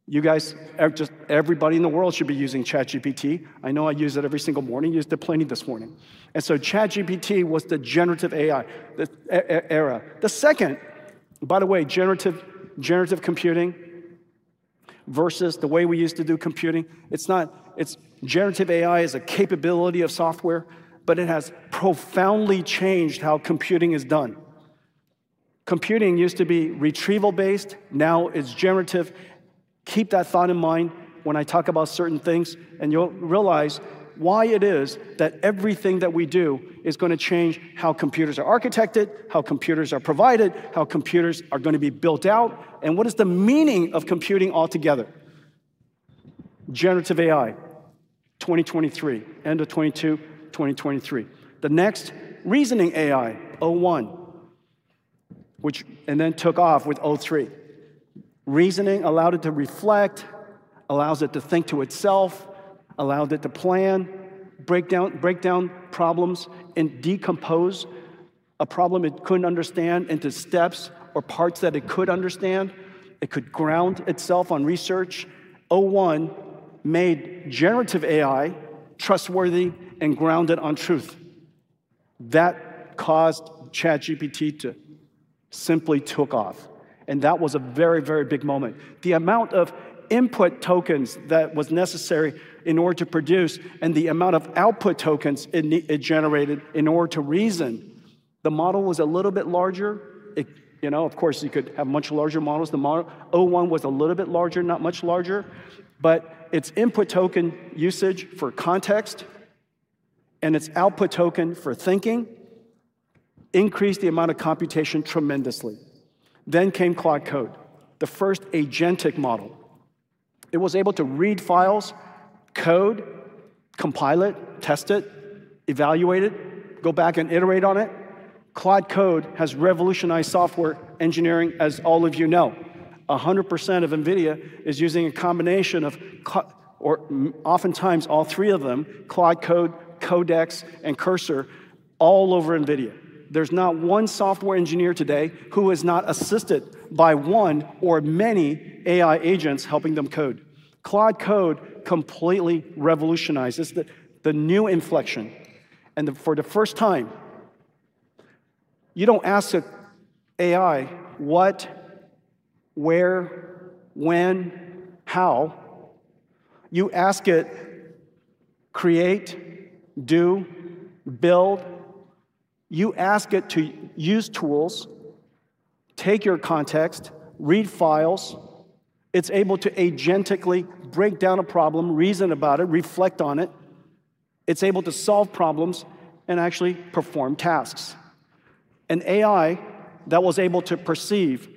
You guys, just everybody in the world should be using ChatGPT. I know I use it every single morning. Used it plenty this morning. ChatGPT was the generative AI, the era. The second. By the way, generative computing versus the way we used to do computing, it's not. It's. Generative AI is a capability of software, but it has profoundly changed how computing is done. Computing used to be retrieval-based, now it's generative. Keep that thought in mind when I talk about certain things, and you'll realize why it is that everything that we do is gonna change how computers are architected, how computers are provided, how computers are gonna be built out, and what is the meaning of computing altogether. Generative AI, 2023, end of 2022, 2023. The next, reasoning AI, o1, which took off with o3. Reasoning allowed it to reflect, allows it to think to itself, allowed it to plan, break down problems, and decompose a problem it couldn't understand into steps or parts that it could understand. It could ground itself on research. o1 made generative AI trustworthy and grounded on truth. That caused ChatGPT to simply took off, and that was a very, very big moment. The amount of input tokens that was necessary in order to produce and the amount of output tokens it generated in order to reason, the model was a little bit larger. It, you know, of course, you could have much larger models. The model o1 was a little bit larger, not much larger. Its input token usage for context and its output token for thinking increased the amount of computation tremendously. Came Claude Code, the first agentic model. It was able to read files, code, compile it, test it, evaluate it, go back and iterate on it. Claude Code has revolutionized software engineering, as all of you know. 100% of NVIDIA is using a combination of, or oftentimes all three of them, Claude Code, Codex, and Cursor, all over NVIDIA. There's not one software engineer today who is not assisted by one or many AI agents helping them code. Cloud Code completely revolutionizes the new inflection. For the first time, you don't ask the AI what, where, when, how. You ask it create, do, build. You ask it to use tools, take your context, read files. It's able to agentically break down a problem, reason about it, reflect on it. It's able to solve problems and actually perform tasks. An AI that was able to perceive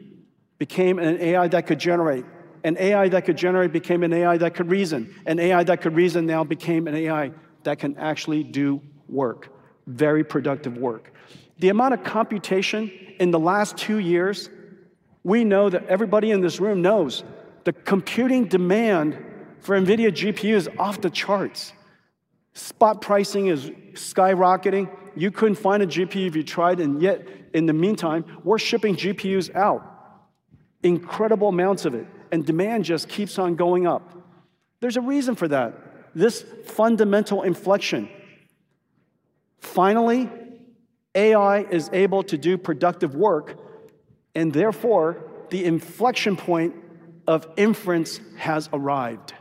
became an AI that could generate. An AI that could generate became an AI that could reason. An AI that could reason now became an AI that can actually do work, very productive work. The amount of computation in the last two years, we know that everybody in this room knows the computing demand for NVIDIA GPU is off the charts. Spot pricing is skyrocketing. You couldn't find a GPU if you tried, and yet, in the meantime, we're shipping GPUs out, incredible amounts of it, and demand just keeps on going up. There's a reason for that, this fundamental inflection. Finally, AI is able to do productive work, and therefore, the inflection point of inference has arrived.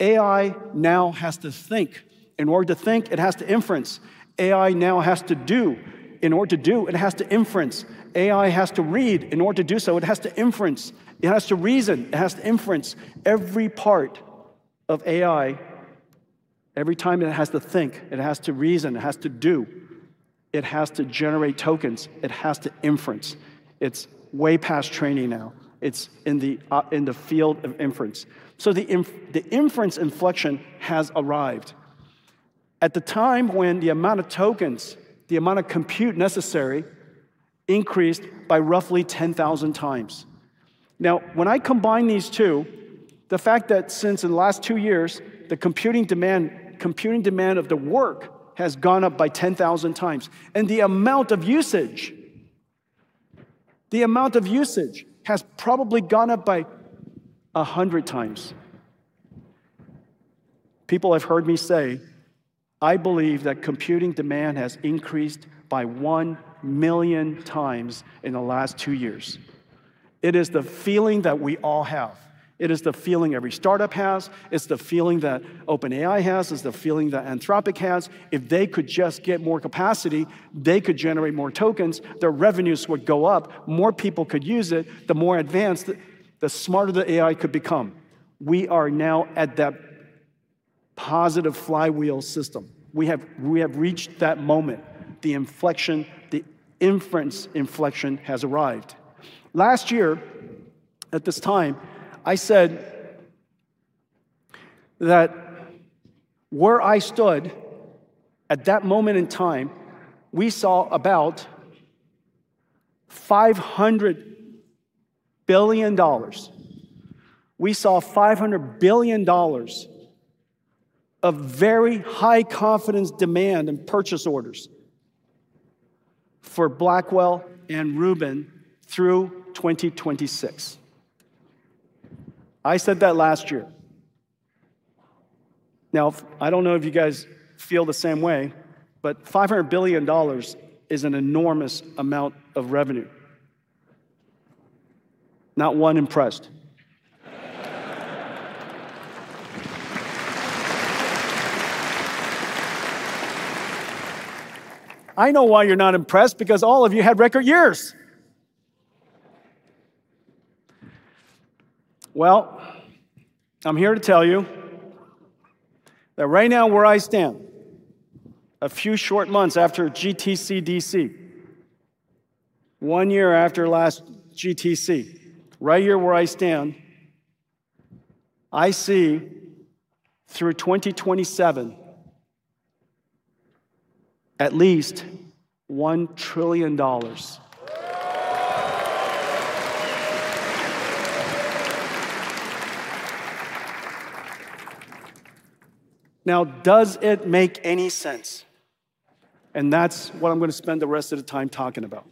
AI now has to think. In order to think, it has to inference. AI now has to do. In order to do, it has to inference. AI has to read. In order to do so, it has to inference. It has to reason, it has to inference. Every part of AI, every time it has to think, it has to reason, it has to do, it has to generate tokens, it has to inference. It's way past training now. It's in the field of inference. The inference inflection has arrived. At the time when the amount of tokens, the amount of compute necessary increased by roughly 10,000 times. Now, when I combine these two, the fact that since in the last two years, the computing demand of the work has gone up by 10,000 times, and the amount of usage has probably gone up by 100 times. People have heard me say, I believe that computing demand has increased by one million times in the last two years. It is the feeling that we all have. It is the feeling every startup has. It's the feeling that OpenAI has. It's the feeling that Anthropic has. If they could just get more capacity, they could generate more tokens, their revenues would go up, more people could use it, the more advanced the smarter the AI could become. We are now at that positive flywheel system. We have reached that moment. The inference inflection has arrived. Last year at this time, I said that where I stood at that moment in time, we saw about $500 billion. We saw $500 billion of very high confidence demand and purchase orders for Blackwell and Rubin through 2026. I said that last year. Now, I don't know if you guys feel the same way, but $500 billion is an enormous amount of revenue. Not one impressed. I know why you're not impressed because all of you had record years. Well, I'm here to tell you that right now where I stand, a few short months after GTCDC, one year after last GTC, right here where I stand, I see through 2027 at least $1 trillion. Now, does it make any sense? That's what I'm gonna spend the rest of the time talking about.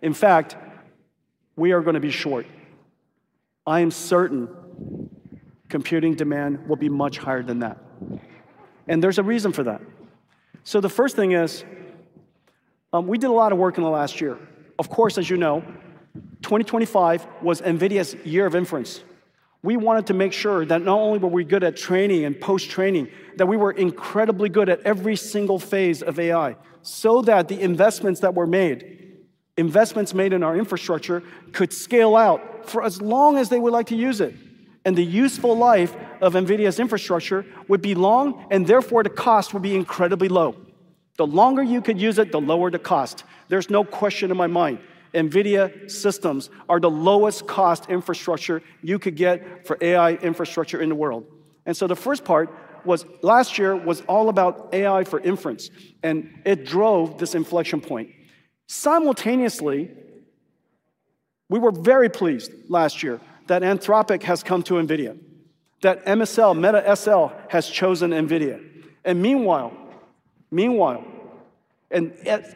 In fact, we are gonna be short. I am certain computing demand will be much higher than that, and there's a reason for that. The first thing is, we did a lot of work in the last year. Of course, as you know, 2025 was NVIDIA's year of inference. We wanted to make sure that not only were we good at training and post-training, that we were incredibly good at every single phase of AI so that the investments that were made, investments made in our infrastructure could scale out for as long as they would like to use it, and the useful life of NVIDIA's infrastructure would be long, and therefore the cost would be incredibly low. The longer you could use it, the lower the cost. There's no question in my mind. NVIDIA systems are the lowest cost infrastructure you could get for AI infrastructure in the world. The first part was last year was all about AI for inference, and it drove this inflection point. Simultaneously, we were very pleased last year that Anthropic has come to NVIDIA, that Microsoft, Meta, has chosen NVIDIA. Meanwhile,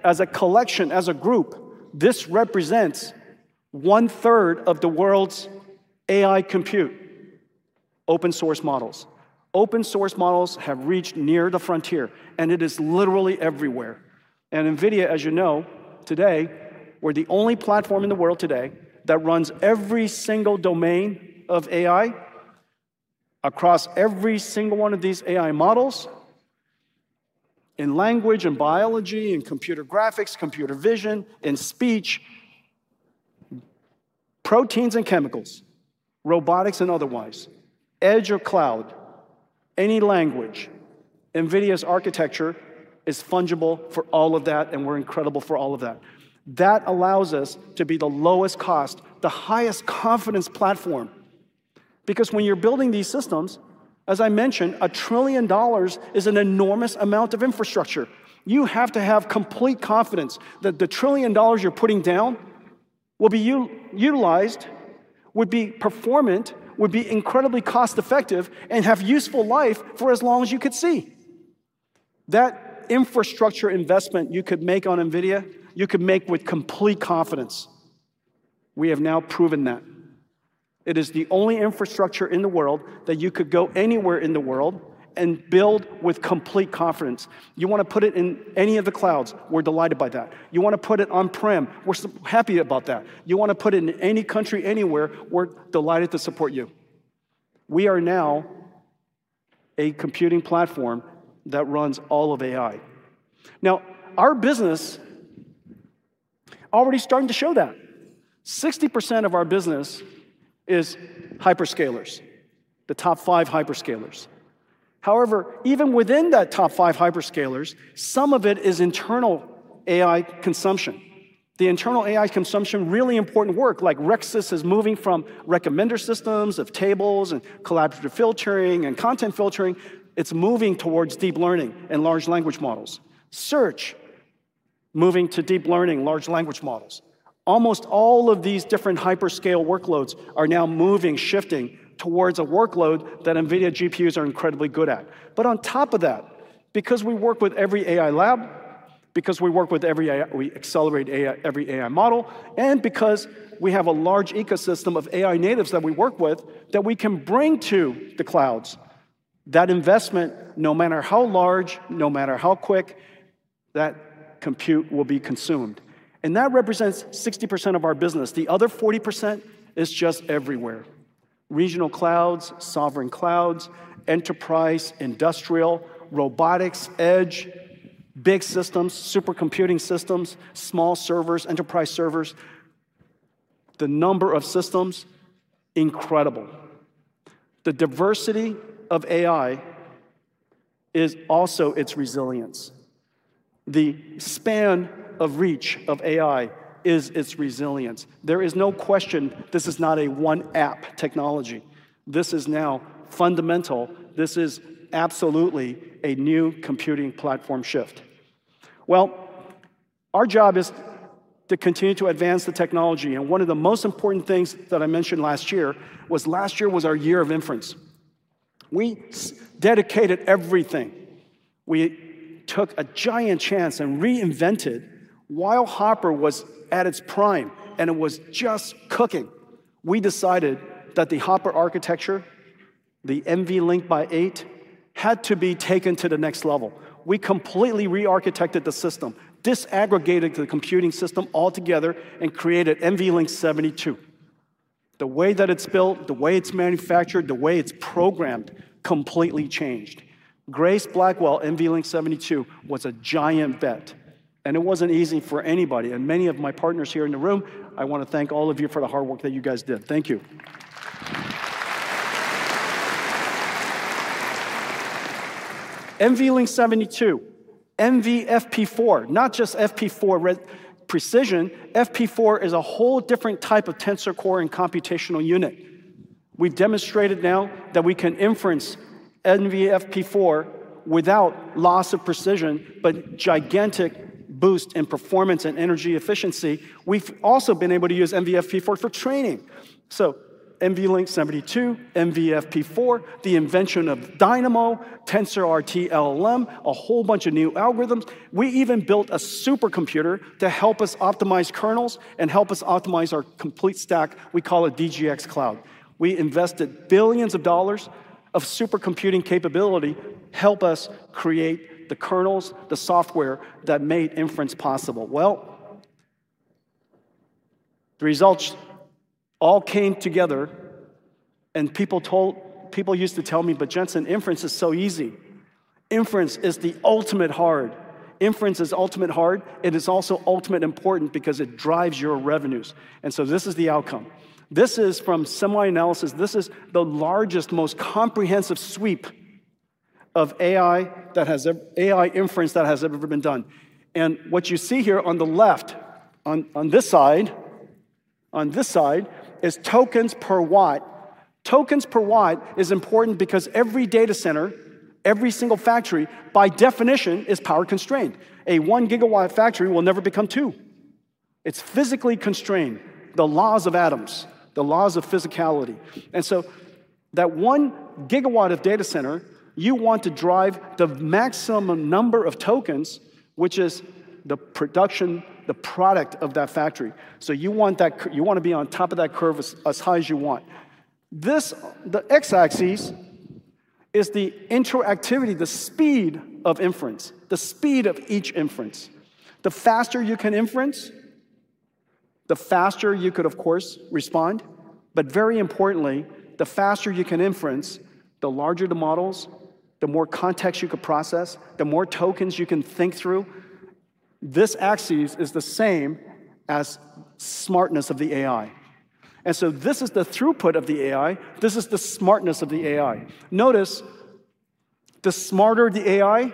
as a collection, as a group, this represents 1/3 of the world's AI compute, open source models. Open source models have reached near the frontier, and it is literally everywhere. NVIDIA, as you know, today, we're the only platform in the world today that runs every single domain of AI across every single one of these AI models in language and biology, in computer graphics, computer vision, in speech, proteins and chemicals, robotics and otherwise, edge or cloud, any language. NVIDIA's architecture is fungible for all of that, and we're incredible for all of that. That allows us to be the lowest cost, the highest confidence platform, because when you're building these systems, as I mentioned, $1 trillion is an enormous amount of infrastructure. You have to have complete confidence that the $1 trillion you're putting down will be utilized, would be performant, would be incredibly cost-effective, and have useful life for as long as you could see. That infrastructure investment you could make on NVIDIA, you could make with complete confidence. We have now proven that. It is the only infrastructure in the world that you could go anywhere in the world and build with complete confidence. You wanna put it in any of the clouds, we're delighted by that. You wanna put it on-prem, we're so happy about that. You wanna put it in any country, anywhere, we're delighted to support you. We are now a computing platform that runs all of AI. Now, our business already starting to show that. 60% of our business is hyperscalers, the top five hyperscalers. However, even within that top five hyperscalers, some of it is internal AI consumption. The internal AI consumption, really important work like RecSys is moving from recommender systems of tables and collaborative filtering and content filtering. It's moving towards deep learning and large language models. Search, moving to deep learning, large language models. Almost all of these different hyperscale workloads are now moving, shifting towards a workload that NVIDIA GPUs are incredibly good at. On top of that, because we work with every AI lab, we accelerate every AI model, and because we have a large ecosystem of AI natives that we work with that we can bring to the clouds, that investment, no matter how large, no matter how quick, that compute will be consumed. That represents 60% of our business. The other 40% is just everywhere. Regional clouds, sovereign clouds, enterprise, industrial, robotics, edge, big systems, supercomputing systems, small servers, enterprise servers. The number of systems, incredible. The diversity of AI is also its resilience. The span of reach of AI is its resilience. There is no question this is not a one app technology. This is now fundamental. This is absolutely a new computing platform shift. Well, our job is to continue to advance the technology, and one of the most important things that I mentioned last year was our year of inference. We dedicated everything. We took a giant chance and reinvented while Hopper was at its prime, and it was just cooking. We decided that the Hopper architecture, the NVLink by 8, had to be taken to the next level. We completely re-architected the system, disaggregated the computing system altogether, and created NVLink 72. The way that it's built, the way it's manufactured, the way it's programmed completely changed. Grace Blackwell NVLink 72 was a giant bet, and it wasn't easy for anybody. Many of my partners here in the room, I want to thank all of you for the hard work that you guys did. Thank you. NVLink 72, NVFP4, not just FP4 precision. FP4 is a whole different type of tensor core and computational unit. We've demonstrated now that we can inference NVFP4 without loss of precision, but gigantic boost in performance and energy efficiency. We've also been able to use NVFP4 for training. NVLink 72, NVFP4, the invention of Dynamo, TensorRT-LLM, a whole bunch of new algorithms. We even built a supercomputer to help us optimize kernels and help us optimize our complete stack. We call it DGX Cloud. We invested billions of dollars of supercomputing capability help us create the kernels, the software that made inference possible. Well, the results all came together and people used to tell me, "But Jensen, inference is so easy." Inference is the ultimate hard. It is also ultimate important because it drives your revenues. This is the outcome. This is from SemiAnalysis. This is the largest, most comprehensive sweep of AI inference that has ever been done. What you see here on the left, on this side is tokens per watt. Tokens per watt is important because every data center, every single factory, by definition, is power-constrained. A 1 GW factory will never become 2 GW. It's physically constrained, the laws of atoms, the laws of physicality. That 1 GW of data center, you want to drive the maximum number of tokens, which is the production, the product of that factory. You want you wanna be on top of that curve as high as you want. This, the x-axis is the interactivity, the speed of inference, the speed of each inference. The faster you can inference, the faster you could, of course, respond. But very importantly, the faster you can inference, the larger the models, the more context you can process, the more tokens you can think through. This axis is the same as smartness of the AI. This is the throughput of the AI. This is the smartness of the AI. Notice, the smarter the AI,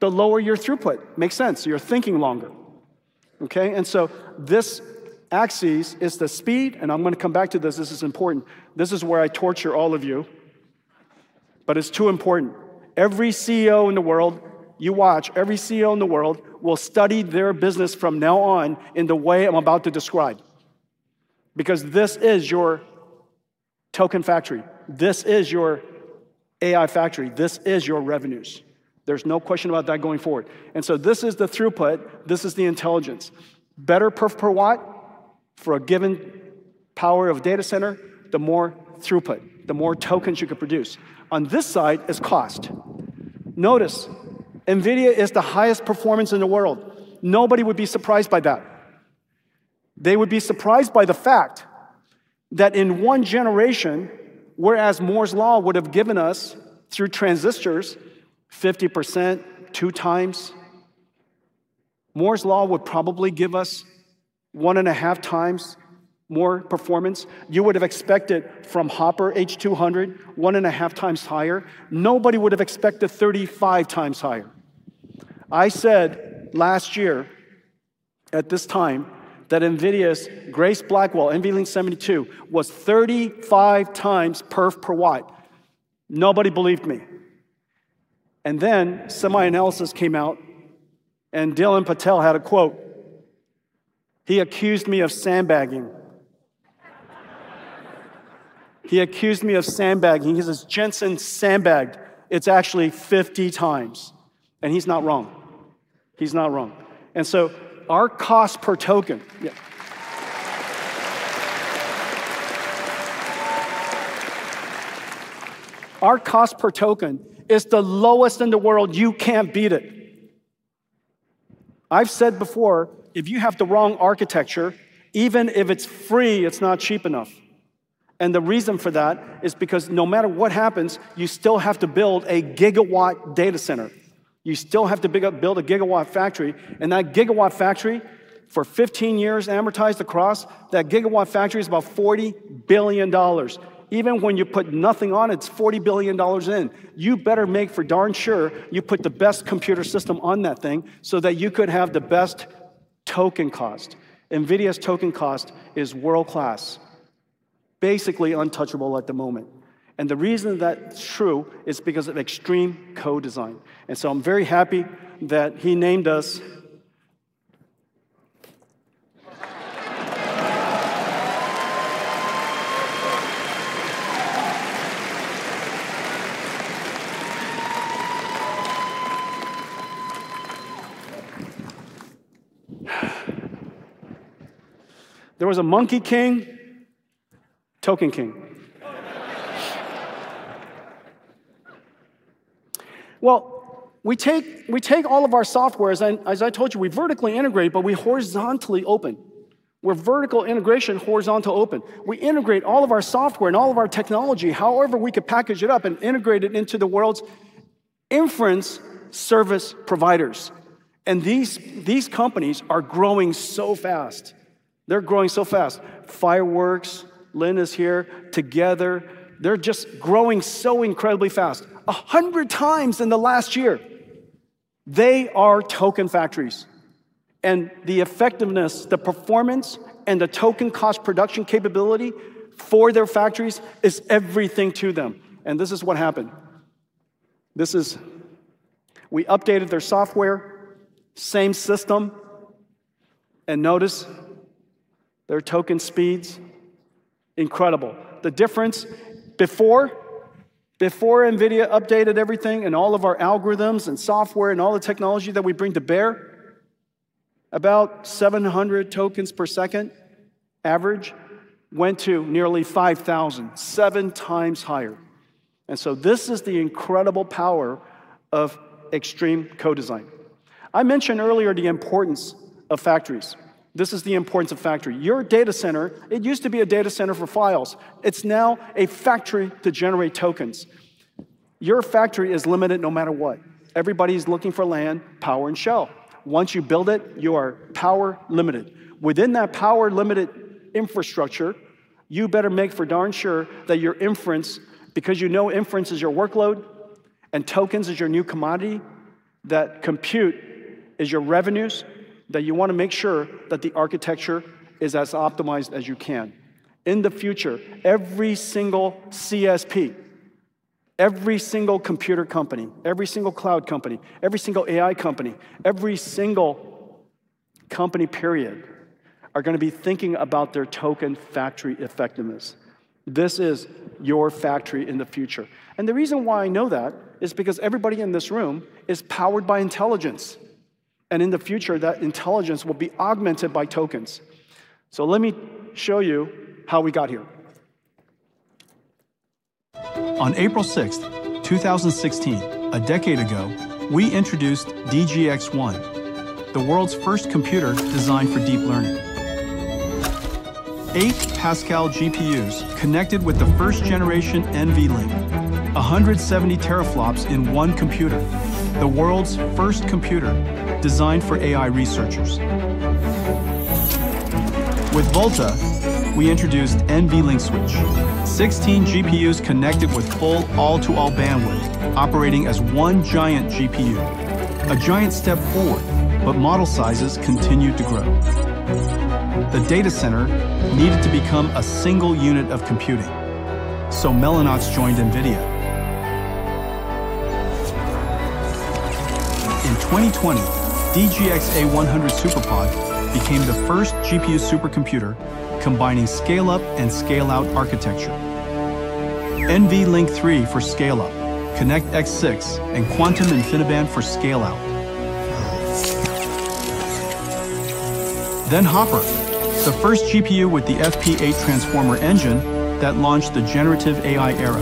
the lower your throughput. Makes sense. You're thinking longer, okay? This axis is the speed, and I'm gonna come back to this. This is important. This is where I torture all of you, but it's too important. Every CEO in the world you watch, every CEO in the world will study their business from now on in the way I'm about to describe because this is your token factory. This is your AI factory. This is your revenues. There's no question about that going forward. This is the throughput. This is the intelligence. Better perf per watt for a given power of data center, the more throughput, the more tokens you can produce. On this side is cost. Notice, NVIDIA is the highest performance in the world. Nobody would be surprised by that. They would be surprised by the fact that in one generation, whereas Moore's Law would have given us, through transistors, 50%, two times. Moore's Law would probably give us 1.5 times more performance. You would have expected from Hopper H200, 1.5 times higher. Nobody would have expected 35 times higher. I said last year at this time that NVIDIA's Grace Blackwell NVLink 72 was 35 times perf per watt. Nobody believed me. Then SemiAnalysis came out and Dylan Patel had a quote. He accused me of sandbagging. He says, "Jensen sandbagged. It's actually 50 times." He's not wrong. Our cost per token is the lowest in the world. You can't beat it. I've said before, if you have the wrong architecture, even if it's free, it's not cheap enough. The reason for that is because no matter what happens, you still have to build a gigawatt data center. You still have to build a gigawatt factory. That gigawatt factory for 15 years amortized across, that gigawatt factory is about $40 billion. Even when you put nothing on it's $40 billion in. You better make for darn sure you put the best computer system on that thing so that you could have the best token cost. NVIDIA's token cost is world-class, basically untouchable at the moment. The reason that's true is because of extreme co-design. I'm very happy that he named us the Monkey King, Token King. Well, we take all of our software, as I told you, we vertically integrate, but we horizontally open. We're vertical integration, horizontal open. We integrate all of our software and all of our technology however we could package it up and integrate it into the world's inference service providers. These companies are growing so fast. They're growing so fast. Fireworks, Lin is here, together, they're just growing so incredibly fast. 100 times in the last year. They are token factories. The effectiveness, the performance, and the token cost production capability for their factories is everything to them. This is what happened. We updated their software, same system, and notice their token speeds. Incredible. The difference before NVIDIA updated everything and all of our algorithms and software and all the technology that we bring to bear, about 700 tokens per second average, went to nearly 5,000. Seven times higher. This is the incredible power of extreme co-design. I mentioned earlier the importance of factories. This is the importance of factory. Your data center, it used to be a data center for files. It's now a factory to generate tokens. Your factory is limited no matter what. Everybody's looking for land, power, and shell. Once you build it, you are power limited. Within that power limited infrastructure, you better make for darn sure that your inference, because you know inference is your workload and tokens is your new commodity, that compute is your revenues, that you wanna make sure that the architecture is as optimized as you can. In the future, every single CSP, every single computer company, every single cloud company, every single AI company, every single company, period, are gonna be thinking about their token factory effectiveness. This is your factory in the future. The reason why I know that is because everybody in this room is powered by intelligence. In the future, that intelligence will be augmented by tokens. Let me show you how we got here. On April 6, 2016, a decade ago, we introduced DGX-1, the world's first computer designed for deep learning. Eight Pascal GPUs connected with the first generation NVLink. 170 teraflops in one computer. The world's first computer designed for AI researchers. With Volta, we introduced NVLink Switch. 16 GPUs connected with full all-to-all bandwidth operating as one giant GPU. A giant step forward, but model sizes continued to grow. The data center needed to become a single unit of computing, so Mellanox joined NVIDIA. In 2020, DGX A100 SuperPOD became the first GPU supercomputer combining scale-up and scale-out architecture. NVLink 3 for scale-up, ConnectX-6 and Quantum InfiniBand for scale-out. Hopper, the first GPU with the FP8 Transformer engine that launched the generative AI era.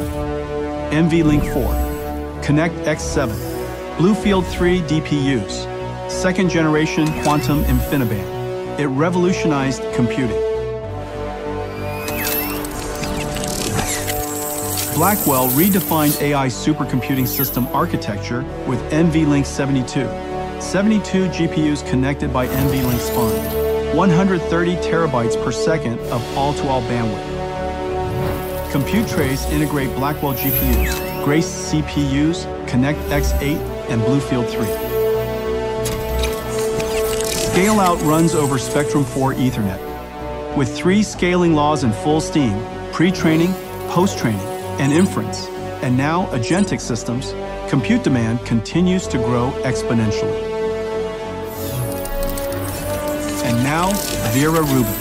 NVLink 4, ConnectX-7, BlueField-3 DPUs, second generation Quantum InfiniBand. It revolutionized computing. Blackwell redefined AI supercomputing system architecture with NVLink 72. 72 GPUs connected by NVLink Spine. 130 TB/s of all-to-all bandwidth. Compute trays integrate Blackwell GPUs, Grace CPUs, ConnectX-8, and BlueField-3. Scale-out runs over Spectrum-4 Ethernet. With three scaling laws in full steam, pre-training, post-training, and inference, and now agentic systems, compute demand continues to grow exponentially. Now Vera Rubin,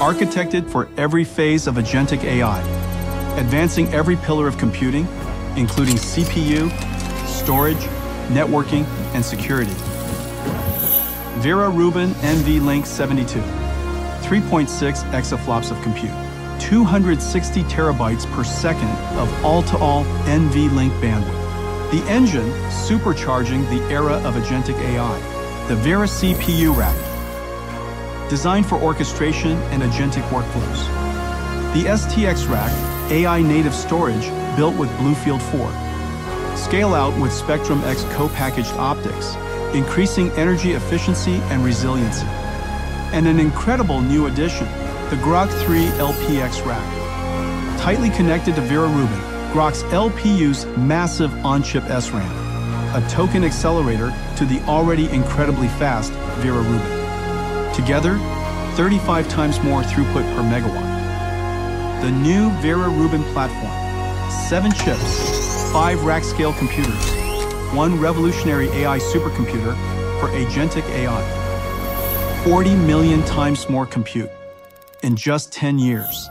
architected for every phase of agentic AI, advancing every pillar of computing, including CPU, storage, networking, and security. Vera Rubin NVLink 72, 3.6 exaflops of compute, 260 TB/s of all-to-all NVLink bandwidth. The engine supercharging the era of agentic AI, the Vera CPU raft. Designed for orchestration and agentic workflows. The STX rack, AI-native storage built with BlueField-4. Scale out with Spectrum-X co-packaged optics, increasing energy efficiency and resiliency. Now an incredible new addition, the Groq 3 LPX rack. Tightly connected to Vera Rubin, Groq's LPU's massive on-chip SRAM, a token accelerator to the already incredibly fast Vera Rubin. Together, 35 times more throughput per megawatt. The new Vera Rubin platform. Seven chips, five rack-scale computers, one revolutionary AI supercomputer for agentic AI. 40 million times more compute in just 10 years.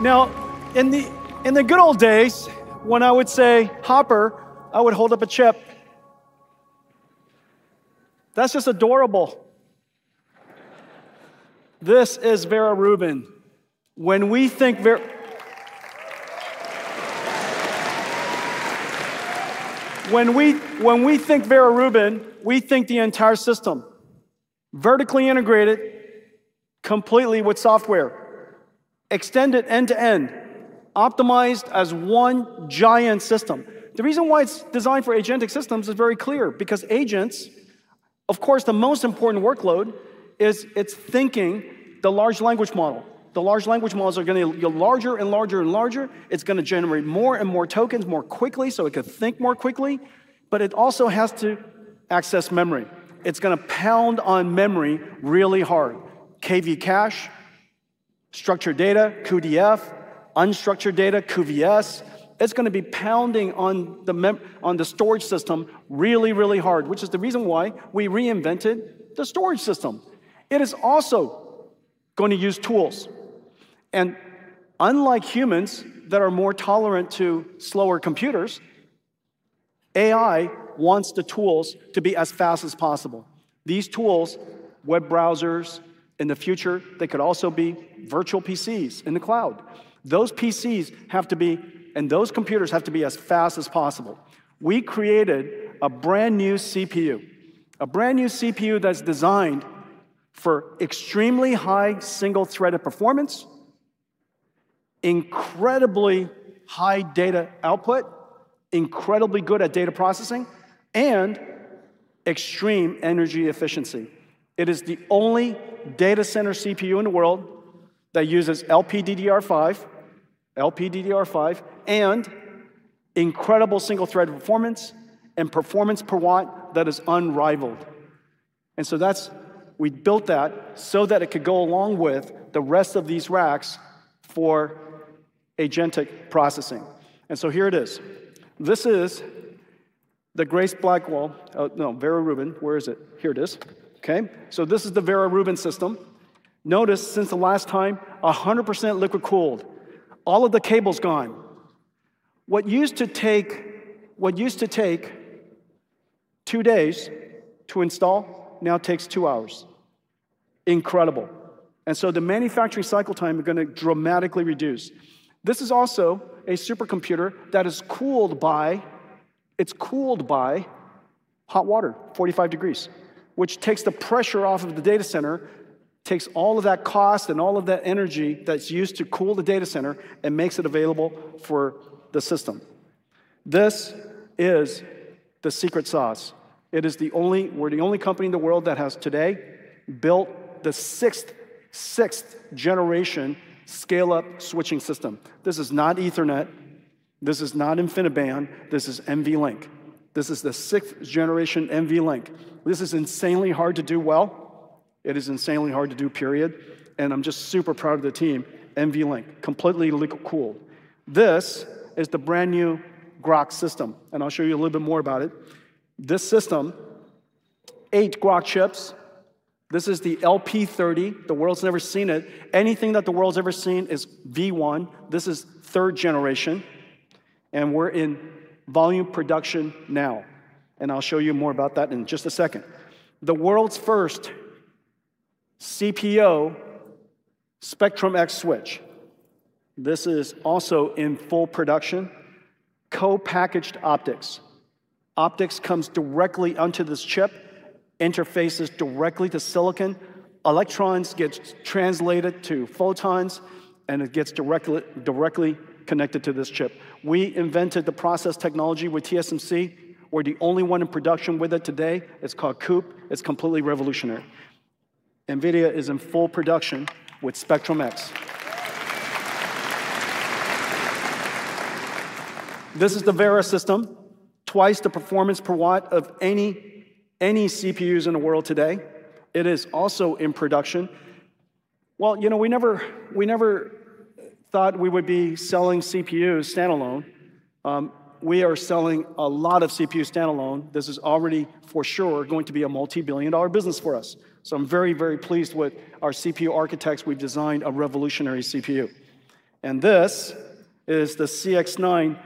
Now, in the good old days, when I would say Hopper, I would hold up a chip. That's just adorable. This is Vera Rubin. When we think Vera Rubin, we think the entire system. Vertically integrated completely with software, extended end to end, optimized as one giant system. The reason why it's designed for agentic systems is very clear, because agents, of course, the most important workload is it's thinking the large language model. The large language models are gonna get larger and larger and larger. It's gonna generate more and more tokens more quickly, so it could think more quickly. But it also has to access memory. It's gonna pound on memory really hard. KV cache, structured data, cuDF, unstructured data, cuVS. It's gonna be pounding on the storage system really, really hard, which is the reason why we reinvented the storage system. It is also going to use tools. Unlike humans that are more tolerant to slower computers, AI wants the tools to be as fast as possible. These tools, web browsers. In the future, they could also be virtual PCs in the cloud. Those PCs have to be and those computers have to be as fast as possible. We created a brand-new CPU. A brand-new CPU that's designed for extremely high single-threaded performance, incredibly high data output, incredibly good at data processing, and extreme energy efficiency. It is the only data center CPU in the world that uses LPDDR5 and incredible single-threaded performance and performance per watt that is unrivaled. That's—we built that so that it could go along with the rest of these racks for agentic processing. Here it is. This is the Grace Blackwell. No, Vera Rubin. Where is it? Here it is. Okay? This is the Vera Rubin system. Notice since the last time, 100% liquid cooled. All of the cable's gone. What used to take two days to install now takes two hours. Incredible. The manufacturing cycle time are gonna dramatically reduce. This is also a supercomputer that is cooled by hot water, 45 degrees, which takes the pressure off of the data center, takes all of that cost and all of that energy that's used to cool the data center and makes it available for the system. This is the secret sauce. We're the only company in the world that has today built the sixth generation scale-up switching system. This is not Ethernet. This is not InfiniBand. This is NVLink. This is the sixth generation NVLink. This is insanely hard to do well. It is insanely hard to do, period. I'm just super proud of the team. NVLink, completely liquid cooled. This is the brand-new Groq system, and I'll show you a little bit more about it. This system, eight Groq chips. This is the LP30. The world's never seen it. Anything that the world's ever seen is V1. This is third generation, and we're in volume production now. I'll show you more about that in just a second. The world's first CPO Spectrum-X switch. This is also in full production. Co-packaged optics. Optics comes directly onto this chip, interfaces directly to silicon. Electrons get translated to photons, and it gets directly connected to this chip. We invented the process technology with TSMC. We're the only one in production with it today. It's called COUP. It's completely revolutionary. NVIDIA is in full production with Spectrum-X. This is the Vera system. Twice the performance per watt of any CPUs in the world today. It is also in production. Well, you know, we never thought we would be selling CPUs standalone. We are selling a lot of CPU standalone. This is already for sure going to be a multi-billion dollar business for us. So I'm very pleased with our CPU architects. We've designed a revolutionary CPU. This is the ConnectX-9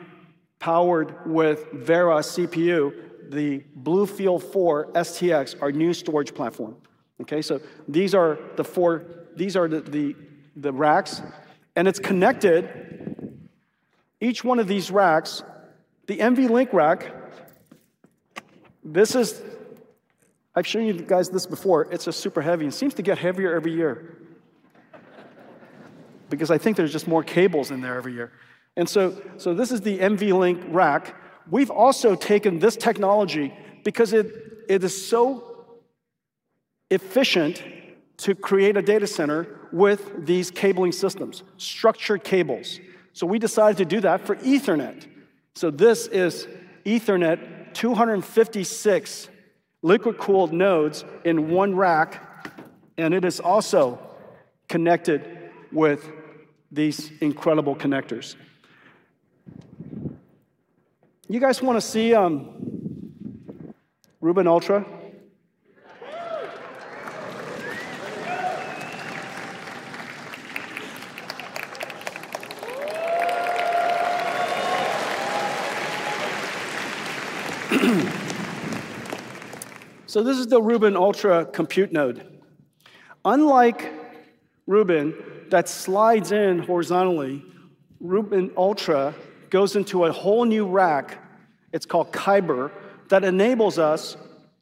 powered with Vera CPU, the BlueField-4 STX, our new storage platform. Okay, these are the racks, and it's connected, each one of these racks, the NVLink rack, this is. I've shown you guys this before. It's just super heavy, and it seems to get heavier every year. Because I think there's just more cables in there every year. This is the NVLink rack. We've also taken this technology because it is so efficient to create a data center with these cabling systems, structured cables. We decided to do that for Ethernet. This is Ethernet 256 liquid-cooled nodes in one rack, and it is also connected with these incredible connectors. You guys wanna see Rubin Ultra? This is the Rubin Ultra Compute Node. Unlike Rubin that slides in horizontally, Rubin Ultra goes into a whole new rack. It's called Kyber, that enables us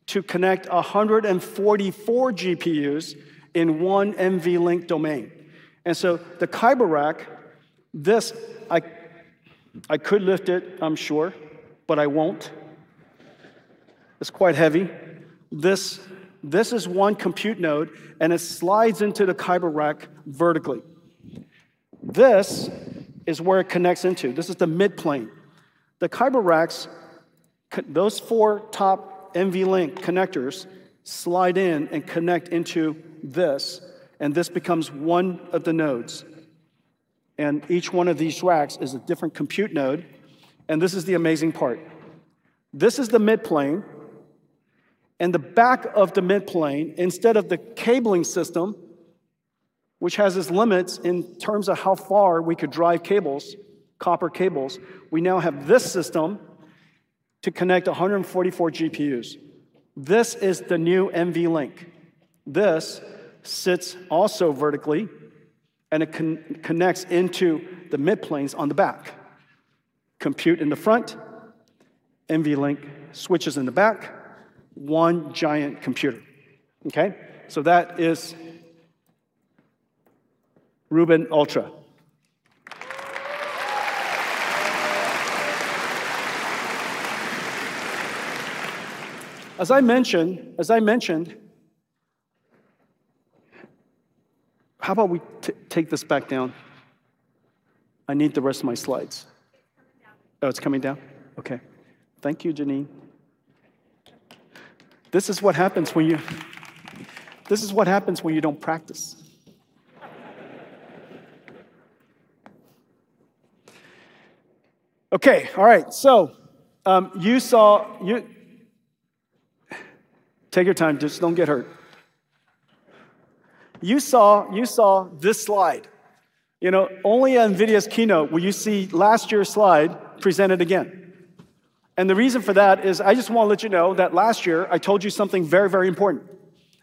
to connect 144 GPUs in one NVLink domain. The Kyber rack, this, I could lift it, I'm sure, but I won't. It's quite heavy. This is one compute node, and it slides into the Kyber rack vertically. This is where it connects into. This is the midplane. The Kyber rack, those four top NVLink connectors slide in and connect into this, and this becomes one of the nodes. Each one of these racks is a different compute node, and this is the amazing part. This is the midplane, and the back of the midplane, instead of the cabling system, which has its limits in terms of how far we could drive cables, copper cables, we now have this system to connect 144 GPUs. This is the new NVLink. This sits also vertically, and it connects into the midplanes on the back. Compute in the front, NVLink switches in the back, one giant computer. Okay? That is Rubin Ultra. As I mentioned. How about we take this back down? I need the rest of my slides. Oh, it's coming down? Okay. Thank you, Janine. This is what happens when you don't practice. Okay. All right. You saw this slide. Take your time. Just don't get hurt. You know, only NVIDIA's keynote will you see last year's slide presented again. The reason for that is I just wanna let you know that last year I told you something very, very important,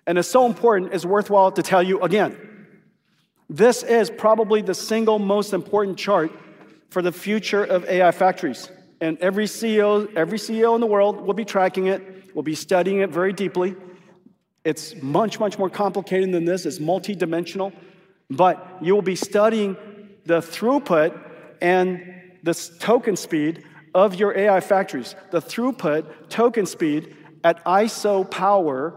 and it's so important, it's worthwhile to tell you again. This is probably the single most important chart for the future of AI factories, and every CEO in the world will be tracking it, will be studying it very deeply. It's much, much more complicated than this. It's multidimensional. You'll be studying the throughput and the token speed of your AI factories. The throughput token speed at ISO power,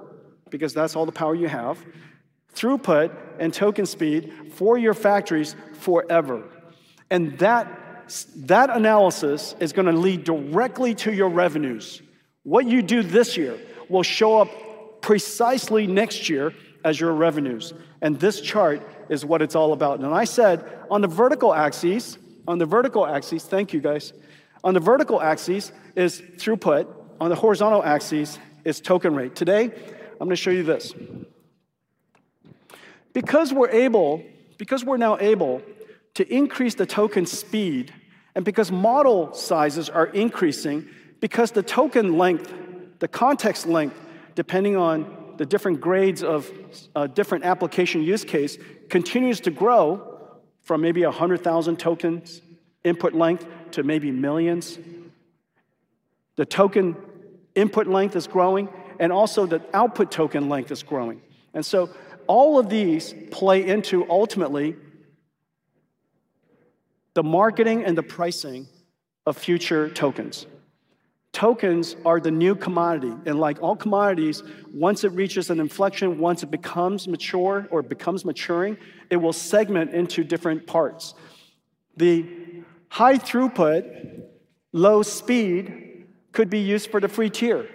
because that's all the power you have, throughput and token speed for your factories forever. That analysis is gonna lead directly to your revenues. What you do this year will show up precisely next year as your revenues, and this chart is what it's all about. Now, I said on the vertical axes. Thank you, guys. On the vertical axes is throughput, on the horizontal axes is token rate. Today, I'm gonna show you this. Because we're able, because we're now able to increase the token speed, and because model sizes are increasing, because the token length, the context length, depending on the different grades of a different application use case, continues to grow from maybe 100,000 tokens input length to maybe millions. The token input length is growing, and also the output token length is growing. All of these play into ultimately the marketing and the pricing of future tokens. Tokens are the new commodity, and like all commodities, once it reaches an inflection, once it becomes mature or it becomes maturing, it will segment into different parts. The high throughput, low speed could be used for the free tier.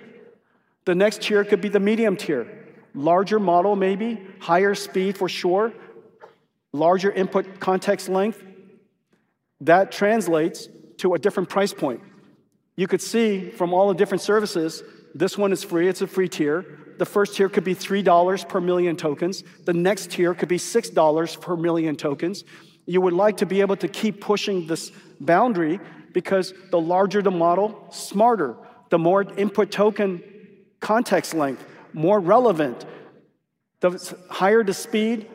The next tier could be the medium tier. Larger model maybe, higher speed for sure, larger input context length. That translates to a different price point. You could see from all the different services, this one is free. It's a free tier. The first tier could be $3 per million tokens. The next tier could be $6 per million tokens. You would like to be able to keep pushing this boundary because the larger the model, smarter, the more input token context length, more relevant. The higher the speed,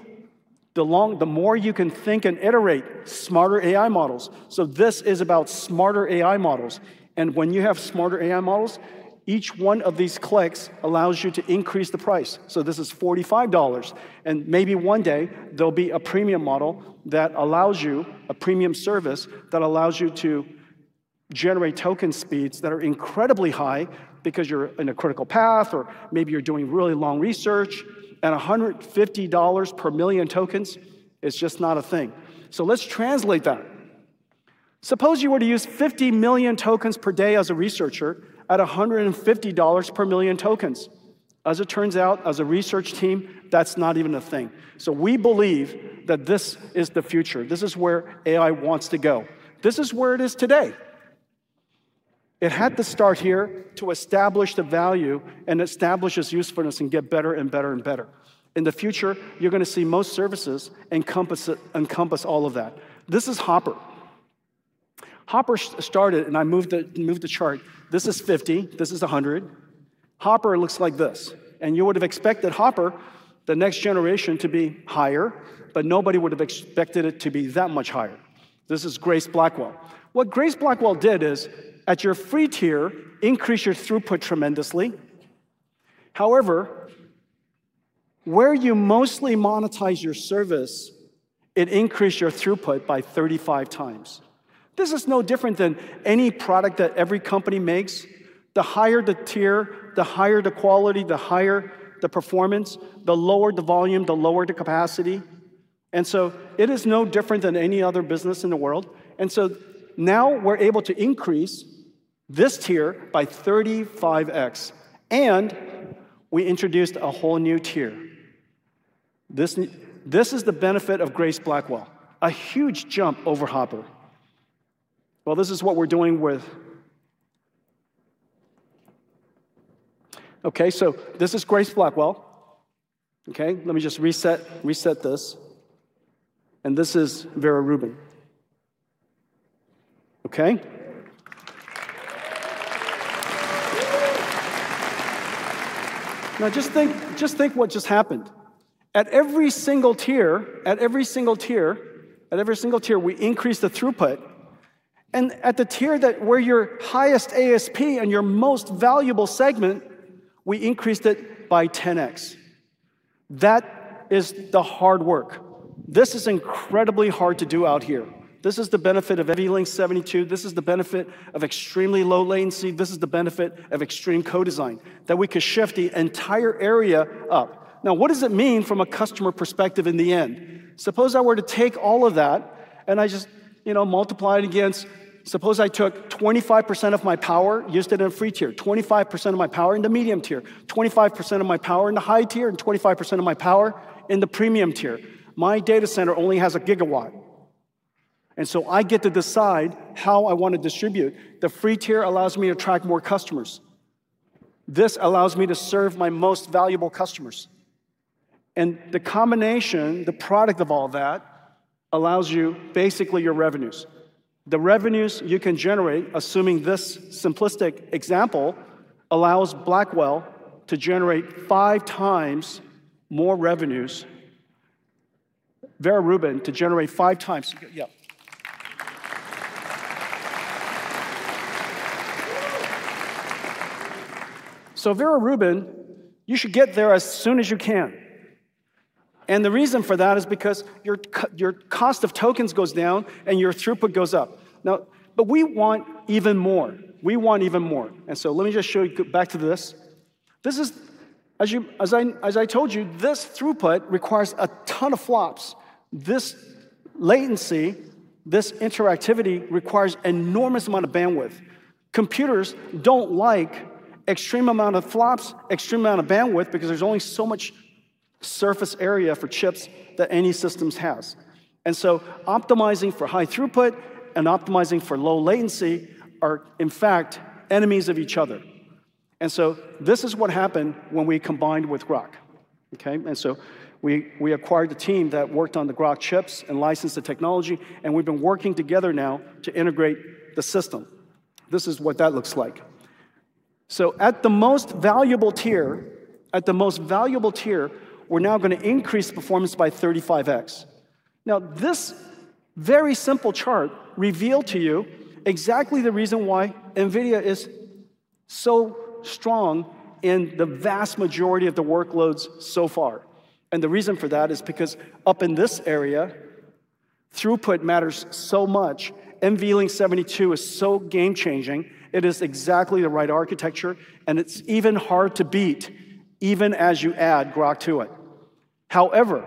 the more you can think and iterate, smarter AI models. This is about smarter AI models. When you have smarter AI models, each one of these clicks allows you to increase the price. This is $45, and maybe one day there'll be a premium model that allows you a premium service that allows you to generate token speeds that are incredibly high because you're in a critical path or maybe you're doing really long research, and $150 per million tokens is just not a thing. Let's translate that. Suppose you were to use 50 million tokens per day as a researcher at $150 per million tokens. As it turns out, as a research team, that's not even a thing. We believe that this is the future. This is where AI wants to go. This is where it is today. It had to start here to establish the value and establish its usefulness and get better and better and better. In the future, you're gonna see most services encompass all of that. This is Hopper. Hopper started, and I moved the chart. This is 50, this is 100. Hopper looks like this, and you would have expected Hopper, the next generation, to be higher, but nobody would have expected it to be that much higher. This is Grace Blackwell. What Grace Blackwell did is, at your free tier, increase your throughput tremendously. However, where you mostly monetize your service, it increased your throughput by 35 times. This is no different than any product that every company makes. The higher the tier, the higher the quality, the higher the performance, the lower the volume, the lower the capacity, and so it is no different than any other business in the world. Now we're able to increase this tier by 35x, and we introduced a whole new tier. This is the benefit of Grace Blackwell, a huge jump over Hopper. Well, this is what we're doing with Grace Blackwell. Okay, so this is Grace Blackwell. Okay, let me just reset this. This is Vera Rubin. Okay? Now just think what just happened. At every single tier, we increased the throughput. At the tier that were your highest ASP and your most valuable segment, we increased it by 10x. That is the hard work. This is incredibly hard to do out here. This is the benefit of NVLink 72. This is the benefit of extremely low latency. This is the benefit of extreme co-design, that we could shift the entire area up. Now, what does it mean from a customer perspective in the end? Suppose I took 25% of my power, used it in a free tier, 25% of my power in the medium tier, 25% of my power in the high tier, and 25% of my power in the premium tier. My data center only has a gigawatt, and so I get to decide how I want to distribute. The free tier allows me to attract more customers. This allows me to serve my most valuable customers. The combination, the product of all that, allows you basically your revenues. The revenues you can generate, assuming this simplistic example, allows Blackwell to generate five times more revenues. Vera Rubin to generate five times more revenues. Yeah. Vera Rubin, you should get there as soon as you can, and the reason for that is because your cost of tokens goes down and your throughput goes up. We want even more. We want even more. Let me just show you, go back to this. This is, as I told you, this throughput requires a ton of flops. This latency, this interactivity requires enormous amount of bandwidth. Computers don't like extreme amount of flops, extreme amount of bandwidth, because there's only so much surface area for chips that any systems has. Optimizing for high throughput and optimizing for low latency are, in fact, enemies of each other. This is what happened when we combined with Groq, okay? We acquired the team that worked on the Groq chips and licensed the technology, and we've been working together now to integrate the system. This is what that looks like. At the most valuable tier, we're now gonna increase performance by 35x. Now, this very simple chart revealed to you exactly the reason why NVIDIA is so strong in the vast majority of the workloads so far. The reason for that is because up in this area, throughput matters so much. NVLink 72 is so game-changing, it is exactly the right architecture, and it's even hard to beat even as you add Groq to it. However,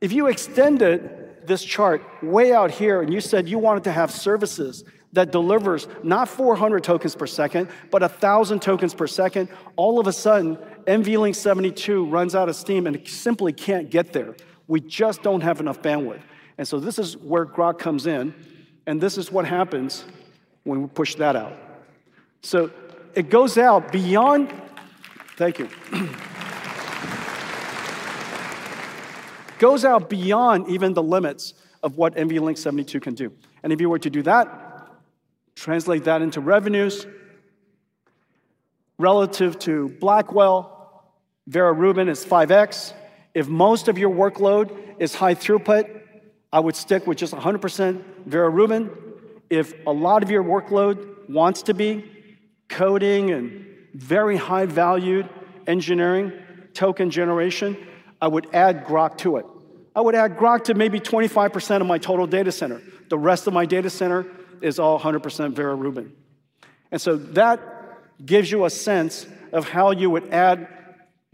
if you extended this chart way out here and you said you wanted to have services that delivers not 400 tokens per second, but 1,000 tokens per second, all of a sudden, NVLink 72 runs out of steam and it simply can't get there. We just don't have enough bandwidth. This is where Groq comes in, and this is what happens when we push that out. It goes out beyond even the limits of what NVLink 72 can do. If you were to do that, translate that into revenues relative to Blackwell, Vera Rubin is 5x. If most of your workload is high throughput, I would stick with just 100% Vera Rubin. If a lot of your workload wants to be coding and very high valued engineering token generation, I would add Groq to it. I would add Groq to maybe 25% of my total data center. The rest of my data center is all 100% Vera Rubin. That gives you a sense of how you would add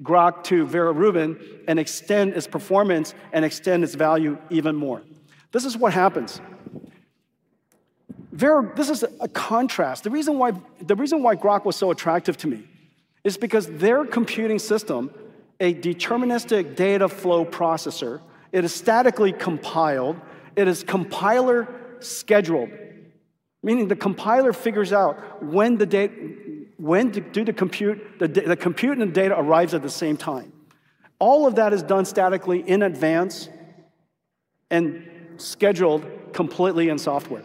Groq to Vera Rubin and extend its performance and extend its value even more. This is what happens. This is a contrast. The reason why Groq was so attractive to me is because their computing system, a deterministic data flow processor, it is statically compiled, it is compiler scheduled, meaning the compiler figures out when to compute, the data and compute arrive at the same time. All of that is done statically in advance and scheduled completely in software.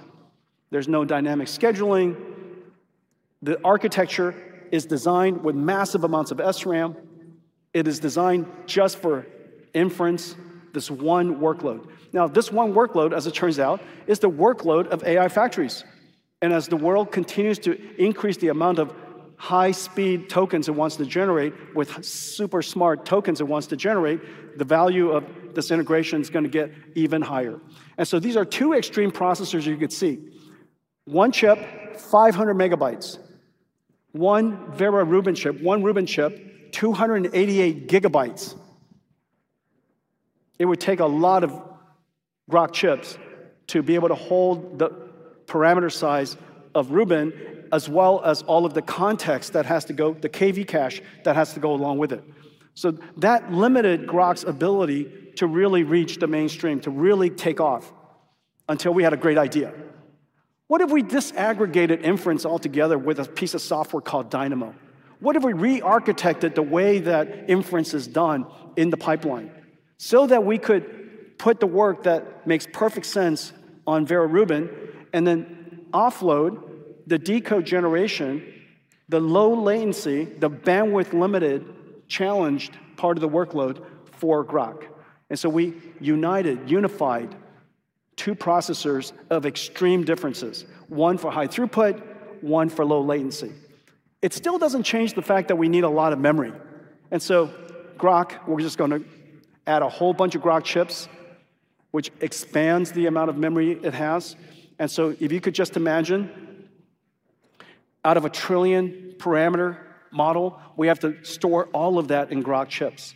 There's no dynamic scheduling. The architecture is designed with massive amounts of SRAM. It is designed just for inference, this one workload. Now, this one workload, as it turns out, is the workload of AI factories. As the world continues to increase the amount of high-speed tokens it wants to generate with super smart tokens it wants to generate, the value of this integration is gonna get even higher. These are two extreme processors you could see. One chip, 500 MB. One Vera Rubin chip, one Rubin chip, 288 GB. It would take a lot of Groq chips to be able to hold the parameter size of Rubin as well as all of the context that has to go, the KV cache that has to go along with it. That limited Groq's ability to really reach the mainstream, to really take off until we had a great idea. What if we disaggregated inference altogether with a piece of software called Dynamo? What if we re-architected the way that inference is done in the pipeline so that we could put the work that makes perfect sense on Vera Rubin and then offload the decode generation, the low latency, the bandwidth limited challenged part of the workload for Groq? We unified two processors of extreme differences, one for high throughput, one for low latency. It still doesn't change the fact that we need a lot of memory. Groq, we're just gonna add a whole bunch of Groq chips, which expands the amount of memory it has. If you could just imagine, out of a one-trillion-parameter model, we have to store all of that in Groq chips.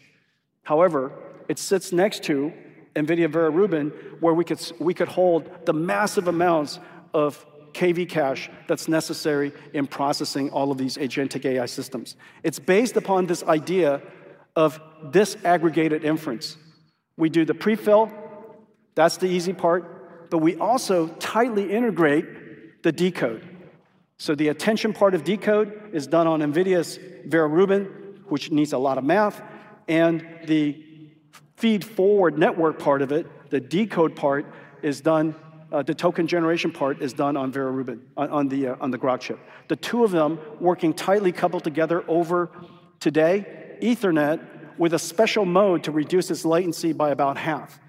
However, it sits next to NVIDIA Vera Rubin, where we could hold the massive amounts of KV cache that's necessary in processing all of these agentic AI systems. It's based upon this idea of disaggregated inference. We do the prefill, that's the easy part, but we also tightly integrate the decode. The attention part of decode is done on NVIDIA's Vera Rubin, which needs a lot of math, and the feed forward network part of it, the decode part is done, the token generation part is done on Vera Rubin, on the Groq chip. The two of them working tightly coupled together over, today, Ethernet with a special mode to reduce its latency by about half.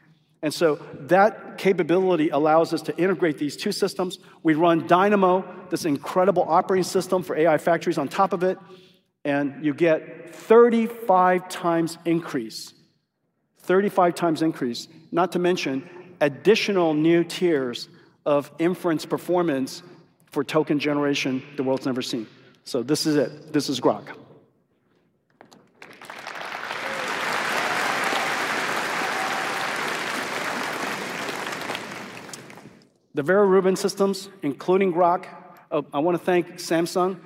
That capability allows us to integrate these two systems. We run Dynamo, this incredible operating system for AI factories on top of it, and you get 35 times increase. 35 times increase, not to mention additional new tiers of inference performance for token generation the world's never seen. This is it. This is Groq. The Vera Rubin systems, including Groq, I wanna thank Samsung,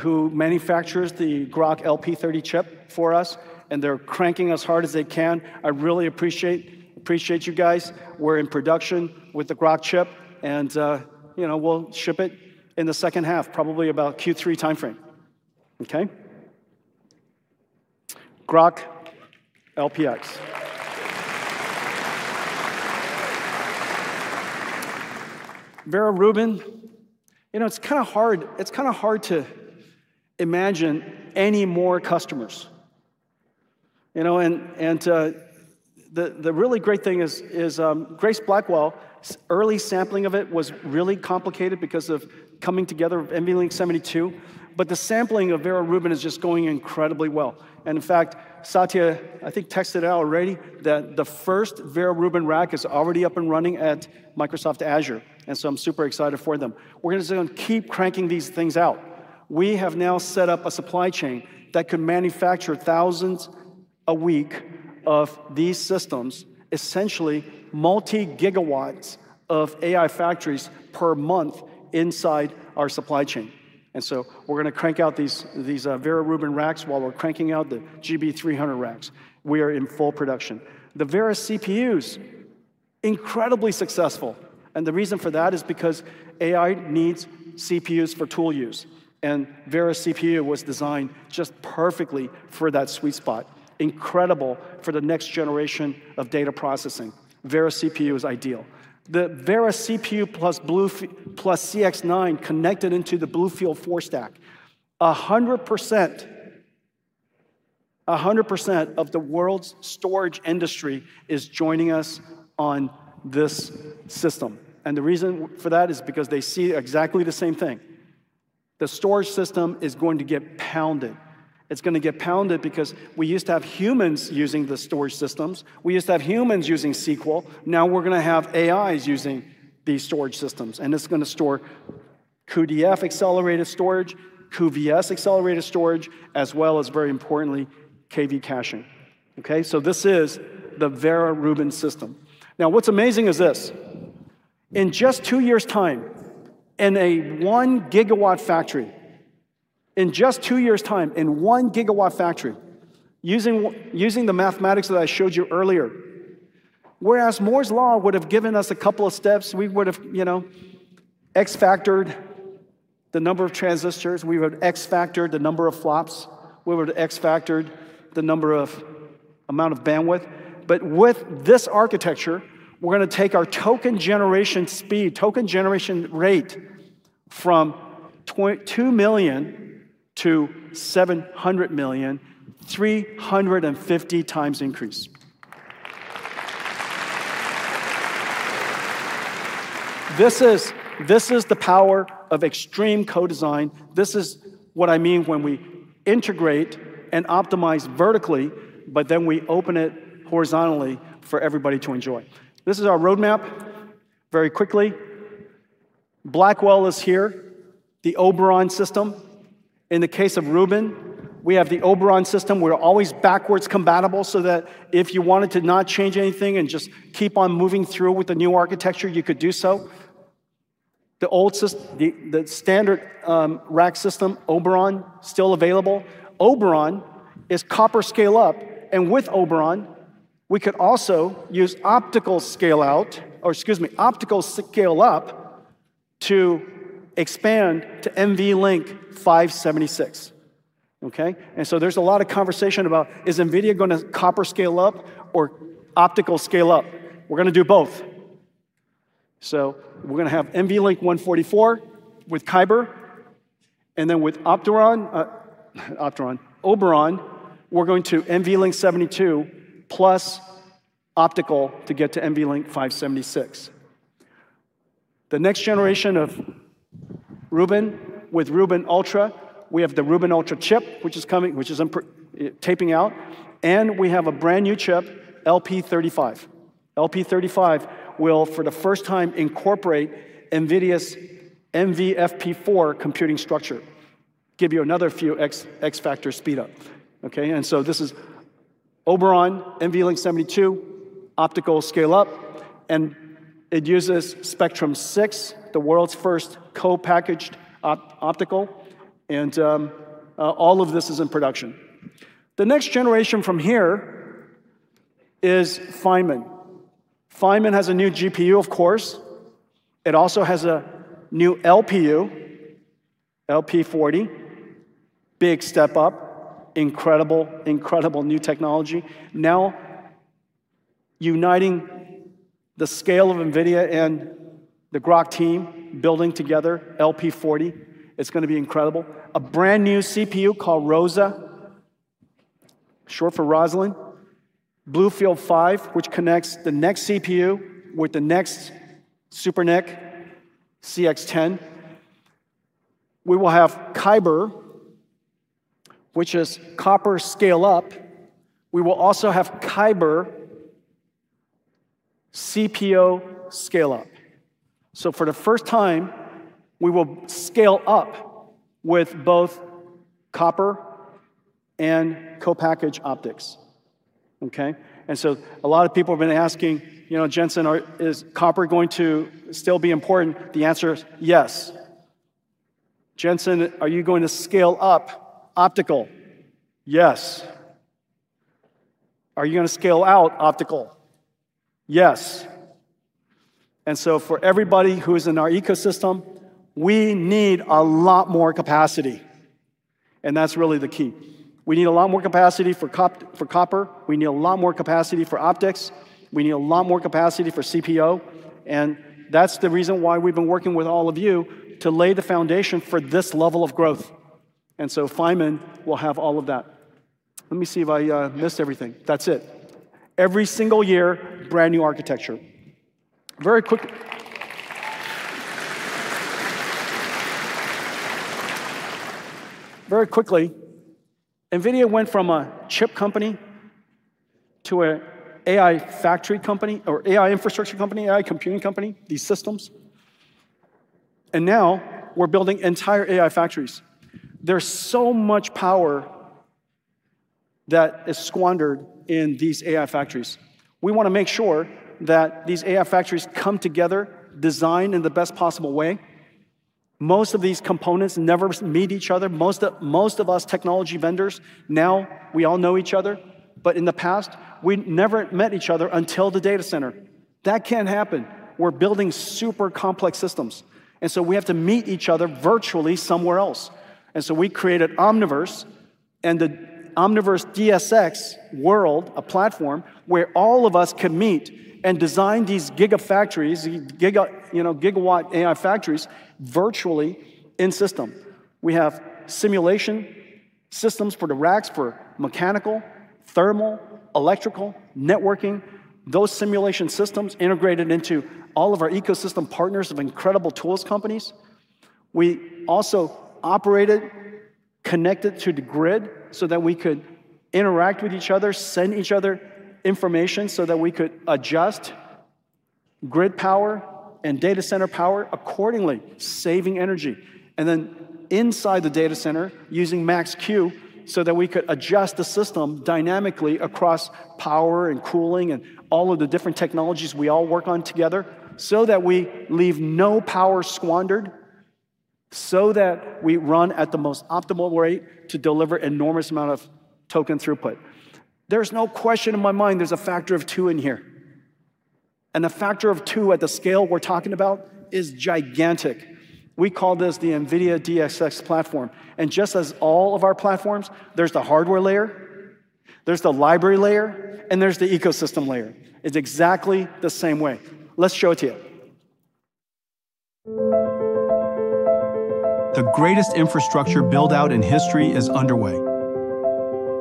who manufactures the Groq LP30 chip for us, and they're cranking as hard as they can. I really appreciate you guys. We're in production with the Groq chip and, you know, we'll ship it in the second half, probably about Q3 timeframe, okay? Groq LPX. Vera Rubin, you know, it's kinda hard to imagine any more customers. The really great thing is, Grace Blackwell early sampling of it was really complicated because of coming together of NVLink 72, but the sampling of Vera Rubin is just going incredibly well. In fact, Satya, I think, texted out already that the first Vera Rubin rack is already up and running at Microsoft Azure, and so I'm super excited for them. We're gonna still keep cranking these things out. We have now set up a supply chain that can manufacture thousands a week of these systems, essentially multi-gigawatts of AI factories per month inside our supply chain. We're gonna crank out these Vera Rubin racks while we're cranking out the GB300 racks. We are in full production. The Vera CPUs incredibly successful. The reason for that is because AI needs CPUs for tool use, and Vera CPU was designed just perfectly for that sweet spot. Incredible for the next generation of data processing. Vera CPU is ideal. The Vera CPU plus CX9 connected into the BlueField-4 stack. 100% of the world's storage industry is joining us on this system. The reason for that is because they see exactly the same thing. The storage system is going to get pounded. It's gonna get pounded because we used to have humans using the storage systems. We used to have humans using SQL. Now we're gonna have AIs using these storage systems, and it's gonna store cuDF accelerated storage, cuVS accelerated storage, as well as very importantly, KV caching. Okay? This is the Vera Rubin system. Now, what's amazing is this. In just two years' time, in a 1 GW factory, using the mathematics that I showed you earlier, whereas Moore's Law would have given us a couple of steps, we would have, you know, X-factored the number of transistors, we would have X-factored the number of flops, we would have X-factored the number of amount of bandwidth. But with this architecture, we're gonna take our token generation speed, token generation rate from two million to 700 million, 350 times increase. This is the power of extreme co-design. This is what I mean when we integrate and optimize vertically, but then we open it horizontally for everybody to enjoy. This is our roadmap. Very quickly, Blackwell is here, the Oberon system. In the case of Rubin, we have the Oberon system. We're always backwards compatible so that if you wanted to not change anything and just keep on moving through with the new architecture, you could do so. The standard rack system, Oberon, still available. Oberon is copper scale-up, and with Oberon, we can also use optical scale-up to expand to NVLink 576. Okay? There's a lot of conversation about is NVIDIA gonna copper scale-up or optical scale-up? We're gonna do both. We're gonna have NVLink 144 with Kyber, and then with Oberon, we're going to NVLink 72 plus optical to get to NVLink 576. The next generation of Rubin with Rubin Ultra, we have the Rubin Ultra chip, which is coming, which is taping out, and we have a brand-new chip, LP35. LP35 will, for the first time, incorporate NVIDIA's NVFP4 computing structure, give you another few x, X-factor speed-up. Okay? This is Oberon, NVLink 72, optical scale-up, and it uses Spectrum-6, the world's first co-packaged optical, and all of this is in production. The next generation from here is Feynman. Feynman has a new GPU, of course. It also has a new LPU, LP40. Big step up. Incredible new technology. Now uniting the scale of NVIDIA and the Groq team building together, LP40. It's gonna be incredible. A brand-new CPU called Rosa, short for Rosalind. BlueField-5, which connects the next CPU with the next SuperNIC, CX10. We will have Kyber, which is copper scale-up. We will also have Kyber CPO scale-up. For the first time, we will scale up with both copper and co-packaged optics. Okay? A lot of people have been asking, you know, "Jensen, are, is copper going to still be important?" The answer is yes. "Jensen, are you going to scale up optical?" Yes. "Are you gonna scale out optical?" Yes. For everybody who is in our ecosystem, we need a lot more capacity, and that's really the key. We need a lot more capacity for copper. We need a lot more capacity for optics. We need a lot more capacity for CPO, and that's the reason why we've been working with all of you to lay the foundation for this level of growth. Feynman will have all of that. Let me see if I missed everything. That's it. Every single year, brand-new architecture. Very quickly, NVIDIA went from a chip company to an AI factory company or AI infrastructure company, AI computing company, these systems, and now we're building entire AI factories. There's so much power that is squandered in these AI factories. We wanna make sure that these AI factories come together, designed in the best possible way. Most of these components never meet each other. Most of us technology vendors, now we all know each other, but in the past, we never met each other until the data center. That can't happen. We're building super complex systems, and so we have to meet each other virtually somewhere else. We created Omniverse and the Omniverse DSX World, a platform where all of us can meet and design these gigafactories, giga, you know, gigawatt AI factories virtually in-system. We have simulation systems for the racks for mechanical, thermal, electrical, networking. Those simulation systems integrated into all of our ecosystem partners of incredible tools companies. We also operated, connected to the grid so that we could interact with each other, send each other information so that we could adjust grid power and data center power accordingly, saving energy. Inside the data center using Max-Q so that we could adjust the system dynamically across power and cooling and all of the different technologies we all work on together so that we leave no power squandered, so that we run at the most optimal rate to deliver enormous amount of token throughput. There's no question in my mind there's a factor of two in here, and a factor of two at the scale we're talking about is gigantic. We call this the NVIDIA DSX platform, and just as all of our platforms, there's the hardware layer, there's the library layer, and there's the ecosystem layer. It's exactly the same way. Let's show it to you. The greatest infrastructure build-out in history is underway.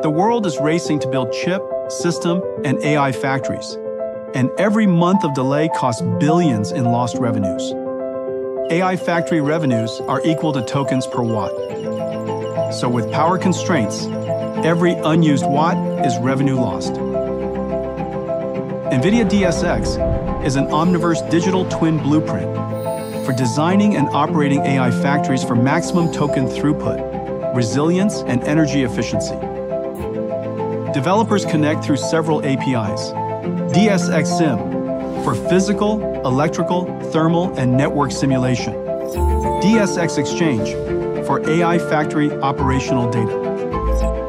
The world is racing to build chip, system, and AI factories, and every month of delay costs billions in lost revenues. AI factory revenues are equal to tokens per watt. With power constraints, every unused watt is revenue lost. NVIDIA DSX is an Omniverse digital twin blueprint for designing and operating AI factories for maximum token throughput, resilience, and energy efficiency. Developers connect through several APIs. DSX Sim for physical, electrical, thermal, and network simulation. DSX Exchange for AI factory operational data.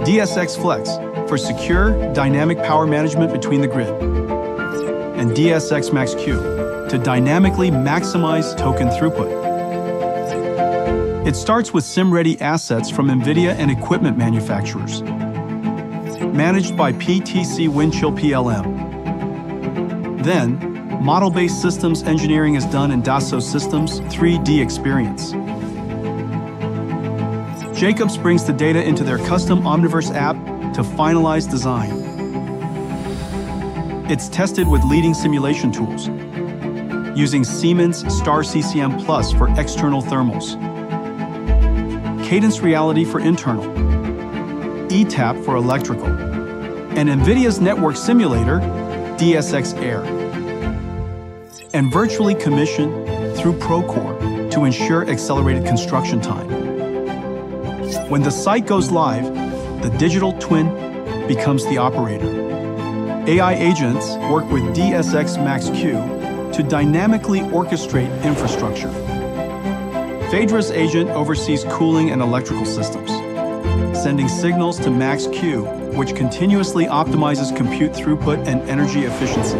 DSX Flex for secure, dynamic power management between the grid. DSX Max-Q to dynamically maximize token throughput. It starts with sim-ready assets from NVIDIA and equipment manufacturers managed by PTC Windchill PLM. Model-based systems engineering is done in Dassault Systèmes 3DEXPERIENCE. Jacobs brings the data into their custom Omniverse app to finalize design. It's tested with leading simulation tools using Siemens Simcenter STAR-CCM+ for external thermals, Cadence Reality for internal, ETAP for electrical, and NVIDIA's network simulator, DSX Air, and virtually commissioned through Procore to ensure accelerated construction time. When the site goes live, the digital twin becomes the operator. AI agents work with DSX Max-Q to dynamically orchestrate infrastructure. Phaidra's agent oversees cooling and electrical systems, sending signals to Max-Q, which continuously optimizes compute throughput and energy efficiency.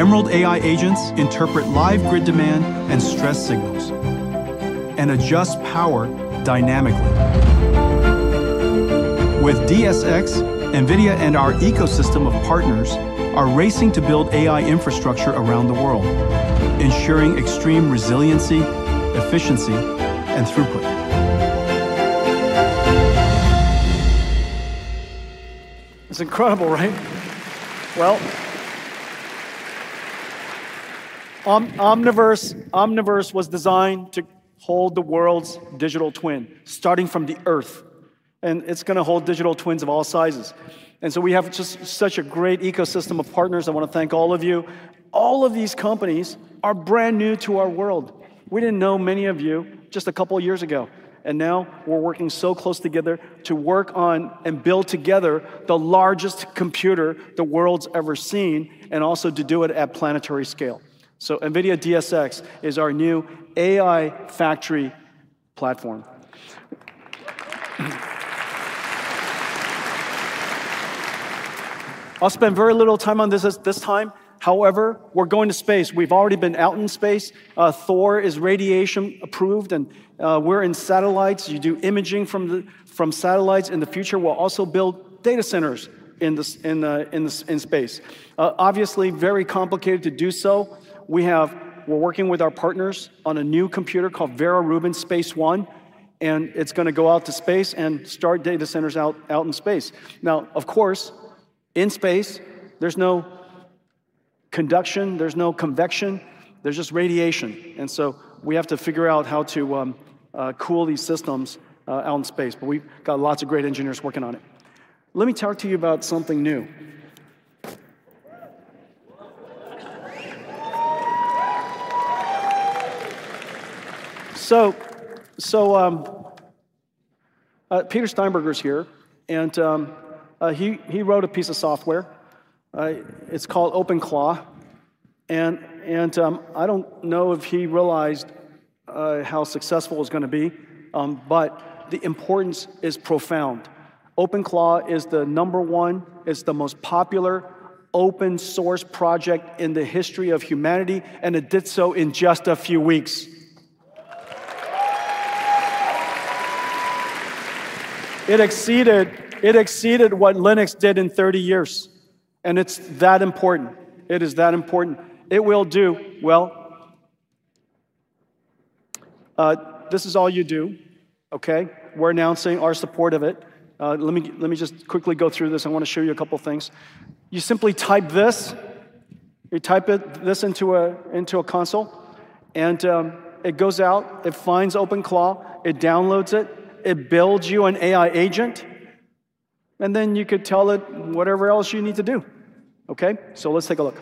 Emerald AI agents interpret live grid demand and stress signals and adjust power dynamically. With DSX, NVIDIA and our ecosystem of partners are racing to build AI infrastructure around the world, ensuring extreme resiliency, efficiency, and throughput. It's incredible, right? Well, Omniverse was designed to hold the world's digital twin, starting from the Earth, and it's gonna hold digital twins of all sizes. We have just such a great ecosystem of partners. I wanna thank all of you. All of these companies are brand new to our world. We didn't know many of you just a couple years ago, and now we're working so close together to work on and build together the largest computer the world's ever seen, and also to do it at planetary scale. NVIDIA DSX is our new AI factory platform. I'll spend very little time on this at this time. However, we're going to space. We've already been out in space. Thor is radiation approved, and we're in satellites. You do imaging from satellites. In the future, we'll also build data centers in space. Obviously very complicated to do so. We're working with our partners on a new computer called Vera Rubin Space-1, and it's gonna go out to space and start data centers out in space. Now, of course, in space, there's no conduction, there's no convection, there's just radiation. We have to figure out how to cool these systems out in space, but we've got lots of great engineers working on it. Let me talk to you about something new. Peter Steinberger is here and he wrote a piece of software. It's called OpenClaw. I don't know if he realized how successful it was gonna be, but the importance is profound. OpenClaw is the number one, it's the most popular open source project in the history of humanity, and it did so in just a few weeks. It exceeded what Linux did in 30 years, and it's that important. It is that important. This is all you do, okay? We're announcing our support of it. Let me just quickly go through this. I wanna show you a couple things. You simply type this. You type this into a console and it goes out, it finds OpenClaw, it downloads it builds you an AI agent, and then you could tell it whatever else you need to do. Okay? Let's take a look.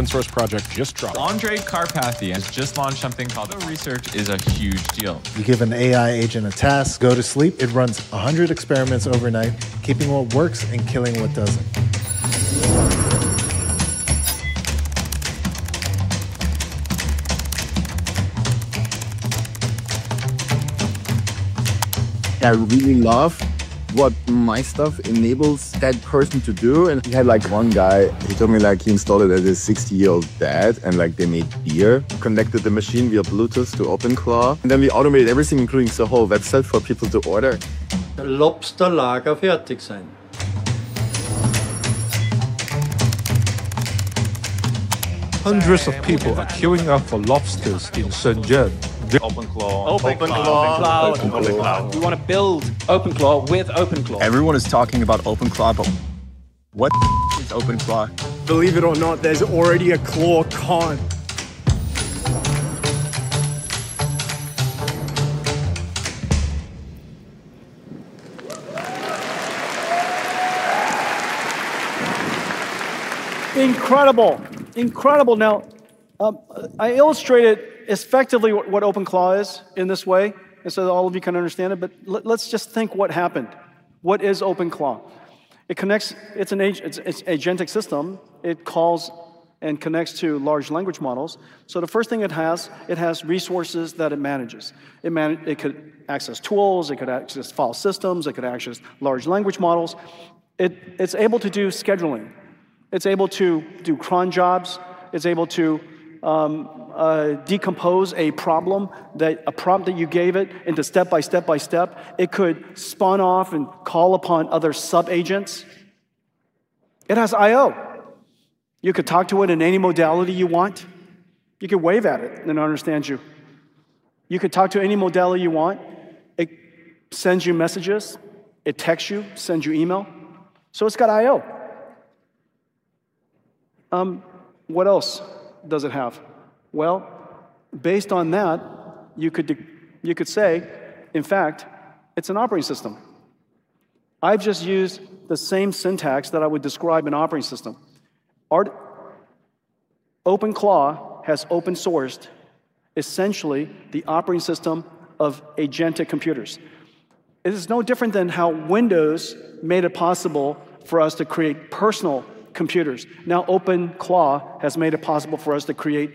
An open-source project just dropped. Andrej Karpathy has just launched. The research is a huge deal. You give an AI agent a task, go to sleep, it runs 100 experiments overnight, keeping what works and killing what doesn't. I really love what my stuff enables that person to do, and we had, like, one guy, he told me, like, he installed it at his 60-year-old dad, and, like, they made beer. Connected the machine via Bluetooth to OpenClaw, and then we automated everything, including the whole website for people to order. Hundreds of people are queuing up for lobsters in Shenzhen. OpenClaw. OpenClaw. We wanna build OpenClaw with OpenClaw. Everyone is talking about OpenClaw, but what is OpenClaw? Believe it or not, there's already a ClawCon. Incredible. Now I illustrated effectively what OpenClaw is in this way, and all of you can understand it, but let's just think what happened. What is OpenClaw? It connects. It's an agentic system. It calls and connects to large language models. The first thing it has resources that it manages. It could access tools, it could access file systems, it could access large language models. It's able to do scheduling. It's able to do cron jobs. It's able to decompose a prompt that you gave it into step by step. It could spun off and call upon other sub-agents. It has IO. You could talk to it in any modality you want. You could wave at it, and it'll understand you. You could talk to any modality you want. It sends you messages, it texts you, sends you email. It's got IO. What else does it have? Well, based on that, you could say, in fact, it's an operating system. I've just used the same syntax that I would describe an operating system. OpenClaw has open sourced essentially the operating system of agentic computers. It is no different than how Windows made it possible for us to create personal computers. Now, OpenClaw has made it possible for us to create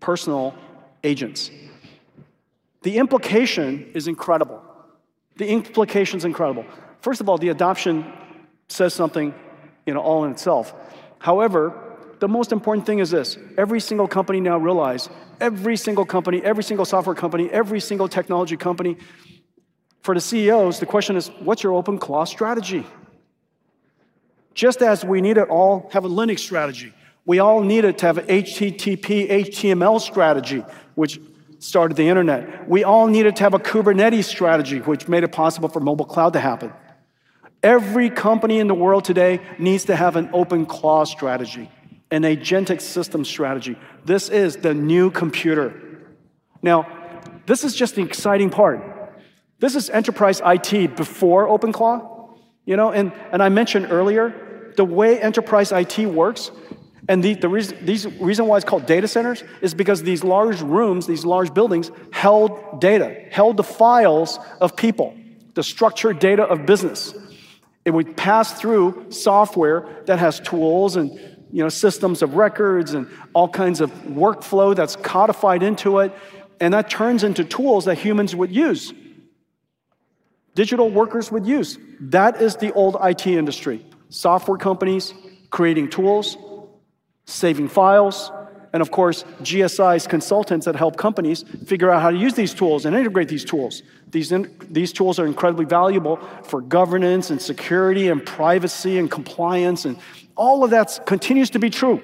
personal agents. The implication is incredible. First of all, the adoption says something, you know, all in itself. However, the most important thing is this. Every single company now realize, every single company, every single software company, every single technology company, for the CEOs, the question is, "What's your OpenClaw strategy?" Just as we needed all have a Linux strategy, we all needed to have a HTTP, HTML strategy, which started the internet. We all needed to have a Kubernetes strategy, which made it possible for mobile cloud to happen. Every company in the world today needs to have an OpenClaw strategy, an agentic system strategy. This is the new computer. Now, this is just the exciting part. This is enterprise IT before OpenClaw, you know? I mentioned earlier the way enterprise IT works, and the reason why it's called data centers is because these large rooms, these large buildings, held data, held the files of people, the structured data of business. It would pass through software that has tools and, you know, systems of records and all kinds of workflow that's codified into it, and that turns into tools that humans would use, digital workers would use. That is the old IT industry, software companies creating tools, saving files, and of course GSI's consultants that help companies figure out how to use these tools and integrate these tools. These tools are incredibly valuable for governance and security and privacy and compliance, and all of that continues to be true.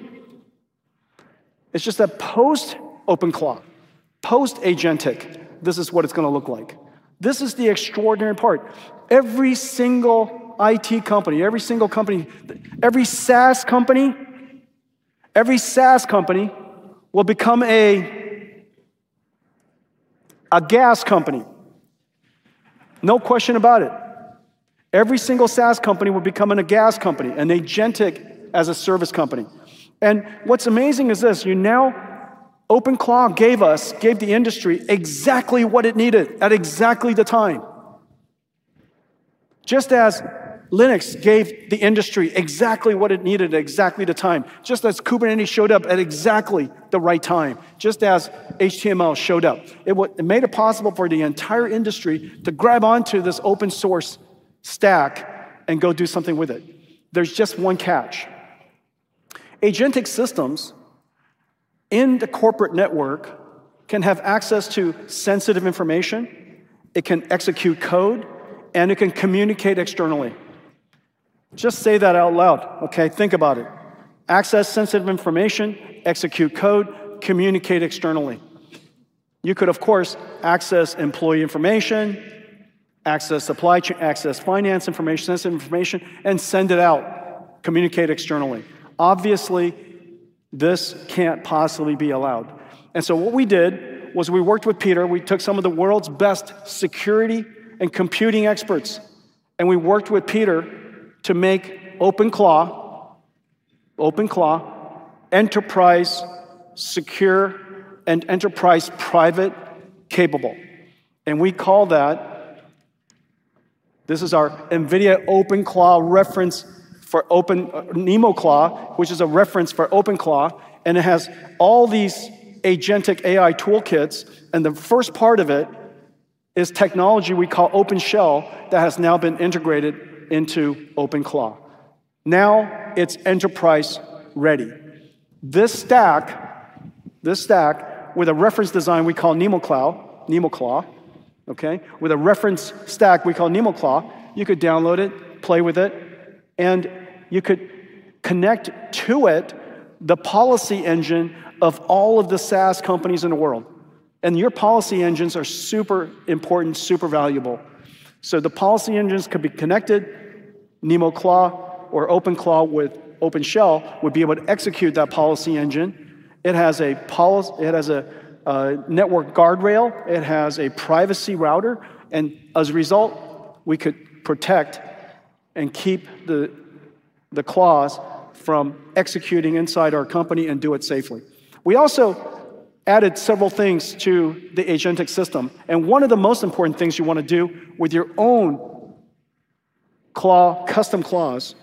It's just that post-OpenClaw, post-agentic, this is what it's gonna look like. This is the extraordinary part. Every single IT company, every single company, every SaaS company, every SaaS company will become a AaaS company. No question about it. Every single SaaS company will become an AaaS company, an agentic as a service company. What's amazing is this: you know OpenClaw gave the industry exactly what it needed at exactly the time. Just as Linux gave the industry exactly what it needed at exactly the time, just as Kubernetes showed up at exactly the right time, just as HTML showed up. It made it possible for the entire industry to grab onto this open source stack and go do something with it. There's just one catch. Agentic systems in the corporate network can have access to sensitive information, it can execute code, and it can communicate externally. Just say that out loud, okay? Think about it. Access sensitive information, execute code, communicate externally. You could, of course, access employee information, access finance information, sensitive information, and send it out, communicate externally. Obviously, this can't possibly be allowed. What we did was we worked with Peter. We took some of the world's best security and computing experts, and we worked with Peter to make OpenClaw enterprise secure and enterprise private capable. We call that this is our NVIDIA OpenClaw reference for NemoClaw, which is a reference for OpenClaw, and it has all these agentic AI toolkits, and the first part of it is technology we call OpenShell that has now been integrated into OpenClaw. Now it's enterprise-ready. This stack with a reference design we call NemoClaw, okay? With a reference stack we call NemoClaw, you could download it, play with it, and you could connect to it the policy engine of all of the SaaS companies in the world, and your policy engines are super important, super valuable. The policy engines could be connected. NemoClaw or OpenClaw with OpenShell would be able to execute that policy engine. It has a network guardrail, it has a privacy router, and as a result, we could protect and keep the claws from executing inside our company and do it safely. We also added several things to the agentic system, and one of the most important things you wanna do with your own claw, custom claws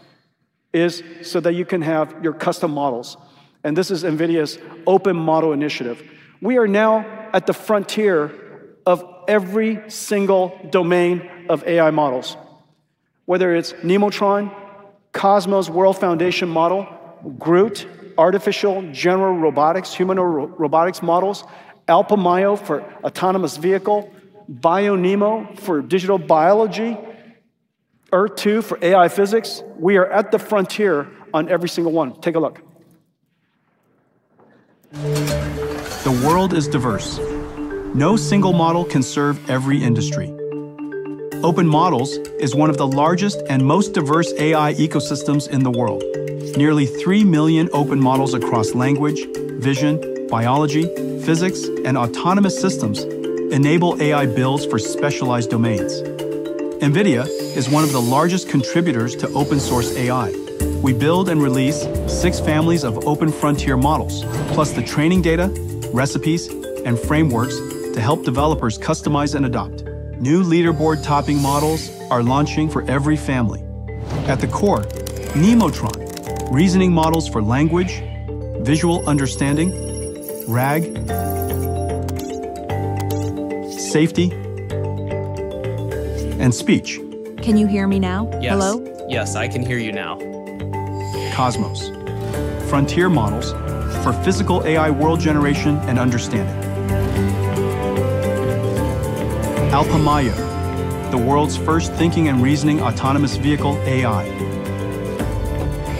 is so that you can have your custom models, and this is NVIDIA's Open Model Initiative. We are now at the frontier of every single domain of AI models, whether it's Nemotron, Cosmos world foundation model, Groot, artificial general robotics, humanoid robotics models, Alpamayo for autonomous vehicle, BioNeMo for digital biology, Earth-2 for AI physics. We are at the frontier on every single one. Take a look. The world is diverse. No single model can serve every industry. Open Models is one of the largest and most diverse AI ecosystems in the world. Nearly three million open models across language, vision, biology, physics, and autonomous systems enable AI builds for specialized domains. NVIDIA is one of the largest contributors to open source AI. We build and release six families of open frontier models, plus the training data, recipes, and frameworks to help developers customize and adopt. New leaderboard-topping models are launching for every family. At the core, Nemotron, reasoning models for language, visual understanding, RAG, safety, and speech. Can you hear me now? Hello? Yes. Yes, I can hear you now. Cosmos, frontier models for physical AI world generation and understanding. Alpamayo, the world's first thinking and reasoning autonomous vehicle AI.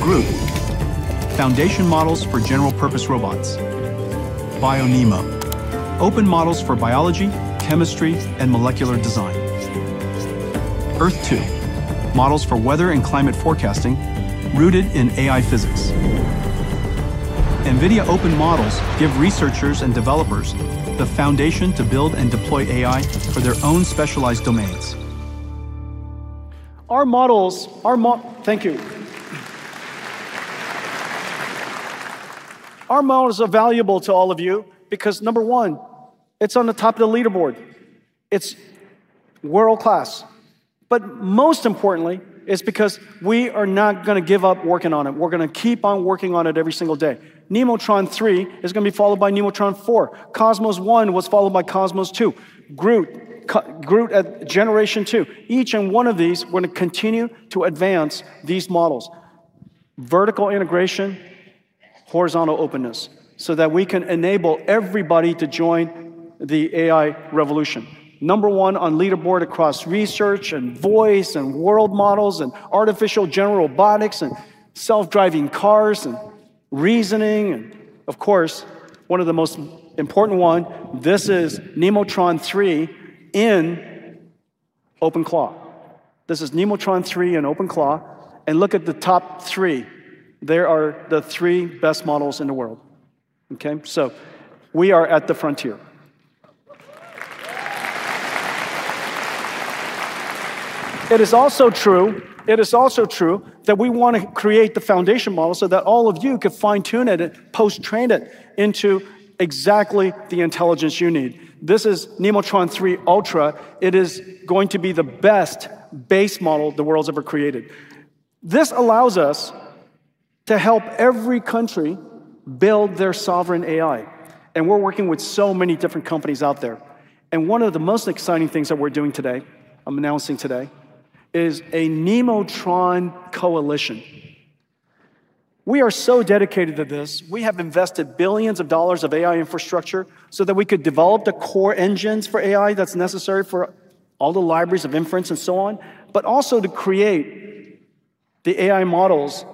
Groot, foundation models for general purpose robots. BioNeMo, open models for biology, chemistry, and molecular design. Earth-2, models for weather and climate forecasting rooted in AI physics. NVIDIA open models give researchers and developers the foundation to build and deploy AI for their own specialized domains. Our models are valuable to all of you because number one, it's on the top of the leaderboard. It's world-class. Most importantly, it's because we are not gonna give up working on it. We're gonna keep on working on it every single day. Nemotron 3 is gonna be followed by Nemotron 4. Cosmos-1 was followed by Cosmos-2. Groot at generation two. Each one of these, we're gonna continue to advance these models. Vertical integration, horizontal openness, so that we can enable everybody to join the AI revolution. Number one on leaderboard across research, and voice, and world models, and artificial general robotics, and self-driving cars, and reasoning, and of course, one of the most important one, this is Nemotron 3 in OpenClaw. This is Nemotron 3 in OpenClaw, and look at the top three. They are the three best models in the world. Okay. We are at the frontier. It is also true that we wanna create the foundation model so that all of you could fine-tune it and post-train it into exactly the intelligence you need. This is Nemotron 3 Ultra. It is going to be the best base model the world's ever created. This allows us to help every country build their sovereign AI, and we're working with so many different companies out there. One of the most exciting things that we're doing today, I'm announcing today, is a Nemotron Coalition. We are so dedicated to this. We have invested billions of dollars of AI infrastructure so that we could develop the core engines for AI that's necessary for all the libraries of inference and so on, but also to create the AI models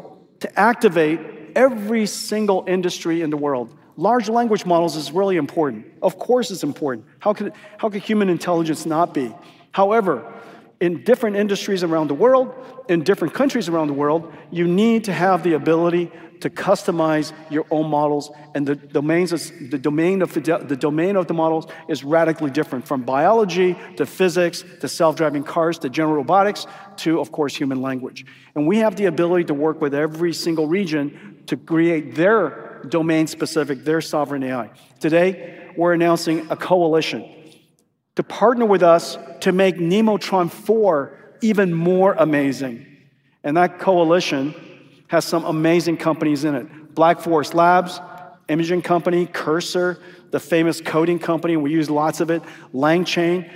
to activate every single industry in the world. Large language models is really important. Of course, it's important. How could human intelligence not be? However, in different industries around the world, in different countries around the world, you need to have the ability to customize your own models and the domain of the models is radically different, from biology, to physics, to self-driving cars, to general robotics, to, of course, human language. We have the ability to work with every single region to create their domain-specific, their sovereign AI. Today, we're announcing a coalition to partner with us to make Nemotron 4 even more amazing, and that coalition has some amazing companies in it. Black Forest Labs, imaging company. Cursor, the famous coding company, we use lots of it. LangChain,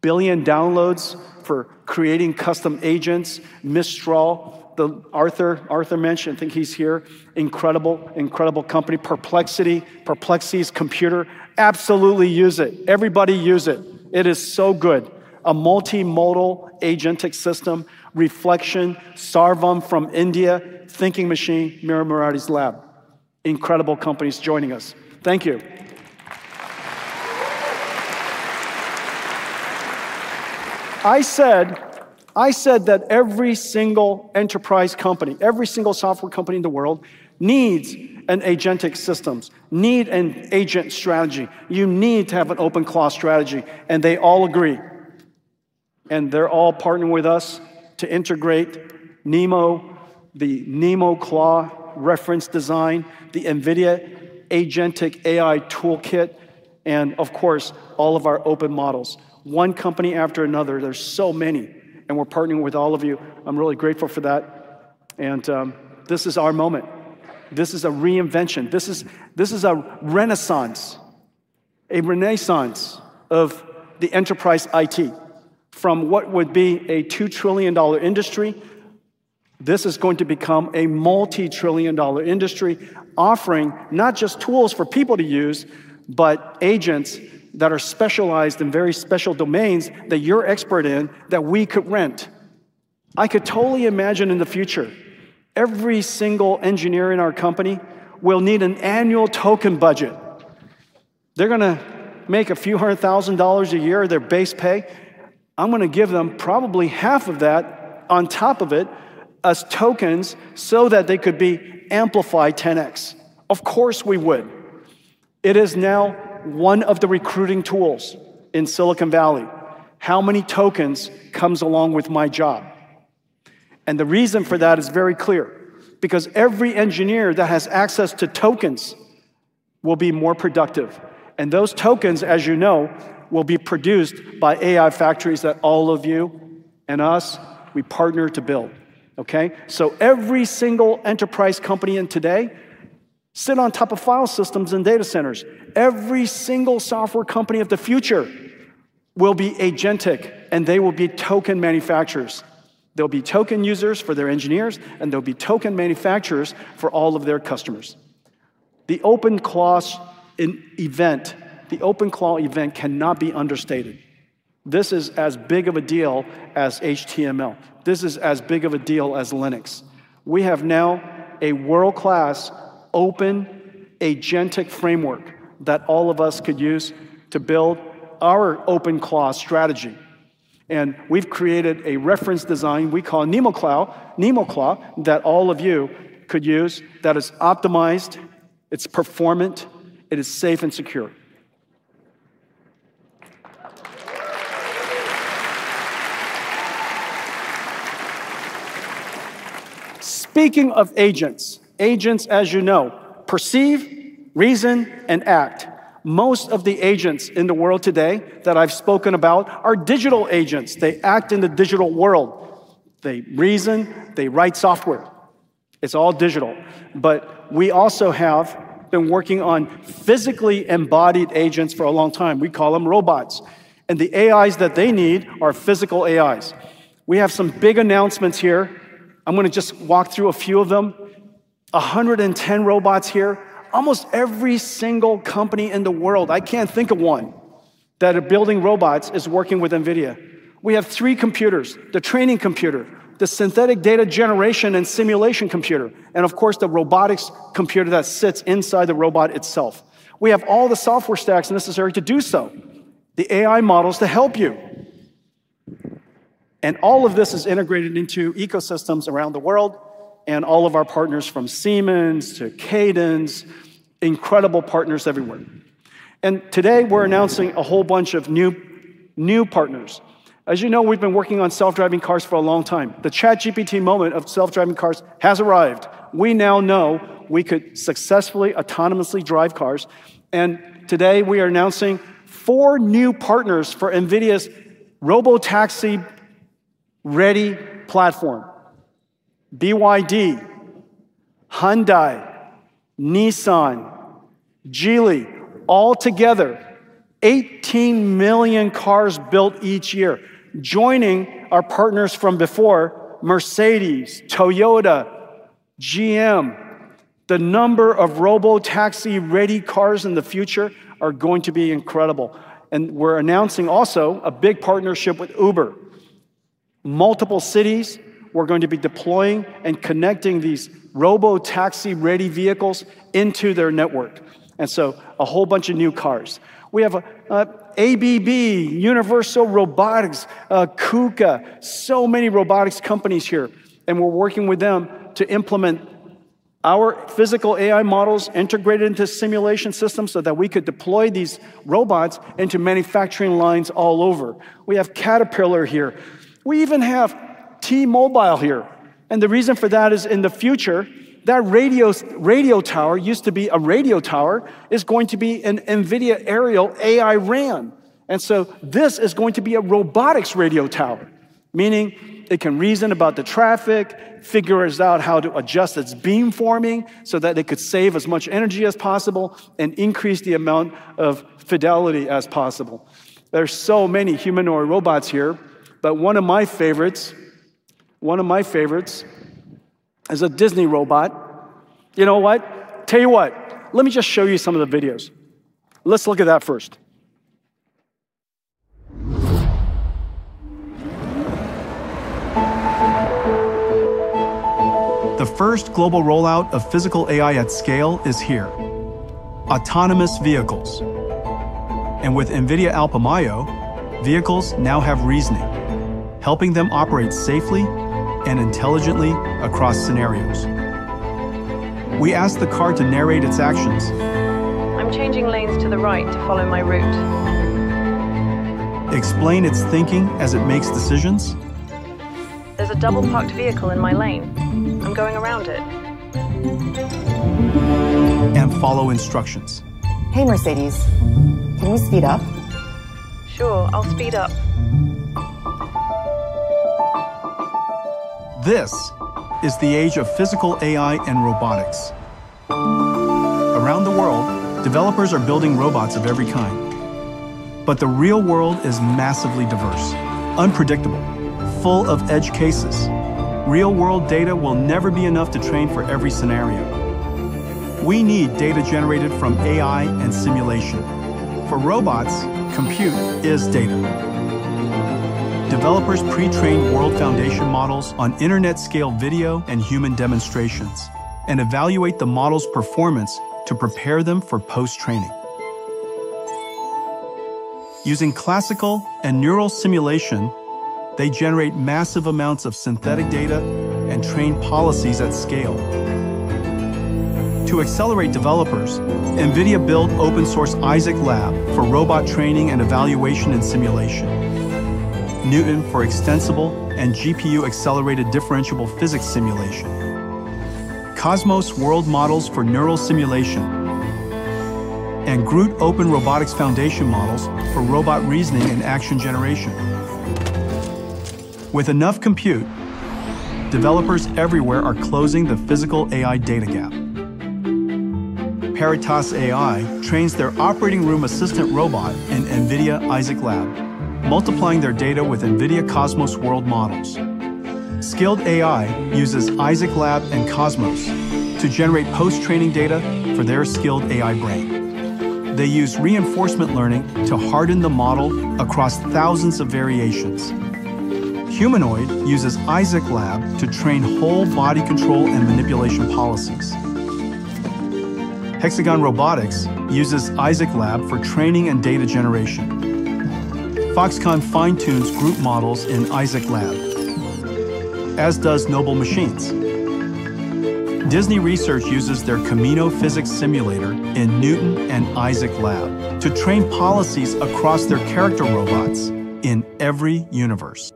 billion downloads for creating custom agents. Mistral, the Arthur mentioned, I think he's here. Incredible company. Perplexity. Perplexity's computer, absolutely use it. Everybody use it. It is so good. A multimodal agentic system. Reflection. Sarvam from India. Thinking Machines Lab, Mira Murati's lab. Incredible companies joining us. Thank you. I said that every single enterprise company, every single software company in the world needs an agentic systems, need an agent strategy. You need to have an OpenClaw strategy, and they all agree. They're all partnering with us to integrate NeMo, the NemoClaw reference design, the NVIDIA Agentic AI Toolkit, and of course, all of our open models. One company after another, there's so many, and we're partnering with all of you. I'm really grateful for that. This is our moment. This is a reinvention. This is a renaissance of the enterprise IT. From what would be a $2 trillion industry, this is going to become a multi-trillion dollar industry offering not just tools for people to use, but agents that are specialized in very special domains that you're expert in that we could rent. I could totally imagine in the future, every single engineer in our company will need an annual token budget. They're gonna make a few hundred thousand dollars a year their base pay. I'm gonna give them probably half of that on top of it as tokens so that they could be amplified 10x. Of course, we would. It is now one of the recruiting tools in Silicon Valley. How many tokens comes along with my job? The reason for that is very clear, because every engineer that has access to tokens will be more productive. Those tokens, as you know, will be produced by AI factories that all of you and us, we partner to build, okay? Every single enterprise company today sits on top of file systems and data centers. Every single software company of the future will be agentic, and they will be token manufacturers. They'll be token users for their engineers, and they'll be token manufacturers for all of their customers. The OpenClaw event cannot be understated. This is as big of a deal as HTML. This is as big of a deal as Linux. We have now a world-class open agentic framework that all of us could use to build our OpenClaw strategy. We've created a reference design we call NemoClaw that all of you could use that is optimized, it's performant, it is safe and secure. Speaking of agents, as you know, perceive, reason, and act. Most of the agents in the world today that I've spoken about are digital agents. They act in the digital world. They reason, they write software. It's all digital. But we also have been working on physically embodied agents for a long time. We call them robots, and the AIs that they need are physical AIs. We have some big announcements here. I'm gonna just walk through a few of them. 110 robots here. Almost every single company in the world, I can't think of one, that are building robots is working with NVIDIA. We have three computers, the training computer, the synthetic data generation and simulation computer, and of course, the robotics computer that sits inside the robot itself. We have all the software stacks necessary to do so. The AI models to help you. All of this is integrated into ecosystems around the world and all of our partners from Siemens to Cadence, incredible partners everywhere. Today, we're announcing a whole bunch of new partners. As you know, we've been working on self-driving cars for a long time. The ChatGPT moment of self-driving cars has arrived. We now know we could successfully autonomously drive cars, and today we are announcing four new partners for NVIDIA's robotaxi-ready platform. BYD, Hyundai, Nissan, Geely, all together, 18 million cars built each year. Joining our partners from before, Mercedes, Toyota, GM. The number of robotaxi-ready cars in the future are going to be incredible. We're announcing also a big partnership with Uber. Multiple cities, we're going to be deploying and connecting these robotaxi-ready vehicles into their network. A whole bunch of new cars. We have ABB, Universal Robots, KUKA, so many robotics companies here, and we're working with them to implement our physical AI models integrated into simulation systems so that we could deploy these robots into manufacturing lines all over. We have Caterpillar here. We even have T-Mobile here, and the reason for that is in the future, that radio tower used to be a radio tower is going to be an NVIDIA Aerial AI-RAN. This is going to be a robotics radio tower, meaning it can reason about the traffic, figures out how to adjust its beam forming so that it could save as much energy as possible and increase the amount of fidelity as possible. There are so many humanoid robots here, but one of my favorites is a Disney robot. You know what? Tell you what, let me just show you some of the videos. Let's look at that first. The first global rollout of physical AI at scale is here. Autonomous vehicles. With NVIDIA Alpamayo, vehicles now have reasoning, helping them operate safely and intelligently across scenarios. We ask the car to narrate its actions. I'm changing lanes to the right to follow my route. Explain its thinking as it makes decisions. There's a double-parked vehicle in my lane. I'm going around it. Follow instructions. Hey, Mercedes-Benz, can we speed up? Sure, I'll speed up. This is the age of physical AI and robotics. Around the world, developers are building robots of every kind. The real world is massively diverse, unpredictable, full of edge cases. Real-world data will never be enough to train for every scenario. We need data generated from AI and simulation. For robots, compute is data. Developers pre-train world foundation models on internet-scale video and human demonstrations and evaluate the model's performance to prepare them for post-training. Using classical and neural simulation, they generate massive amounts of synthetic data and train policies at scale. To accelerate developers, NVIDIA built open source Isaac Lab for robot training and evaluation and simulation, Newton for extensible and GPU-accelerated differentiable physics simulation, Cosmos world models for neural simulation, and Groot open robotics foundation models for robot reasoning and action generation. With enough compute, developers everywhere are closing the physical AI data gap. PeritasAI trains their operating room assistant robot in NVIDIA Isaac Lab, multiplying their data with NVIDIA Cosmos world models. Skild AI uses Isaac Lab and Cosmos to generate post-training data for their skilled AI brain. They use reinforcement learning to harden the model across thousands of variations. Humanoid uses Isaac Lab to train whole body control and manipulation policies. Hexagon Robotics uses Isaac Lab for training and data generation. Foxconn fine-tunes Groot models in Isaac Lab, as does Noble Machines. Disney Research uses their Camino physics simulator in Newton and Isaac Lab to train policies across their character robots in every universe.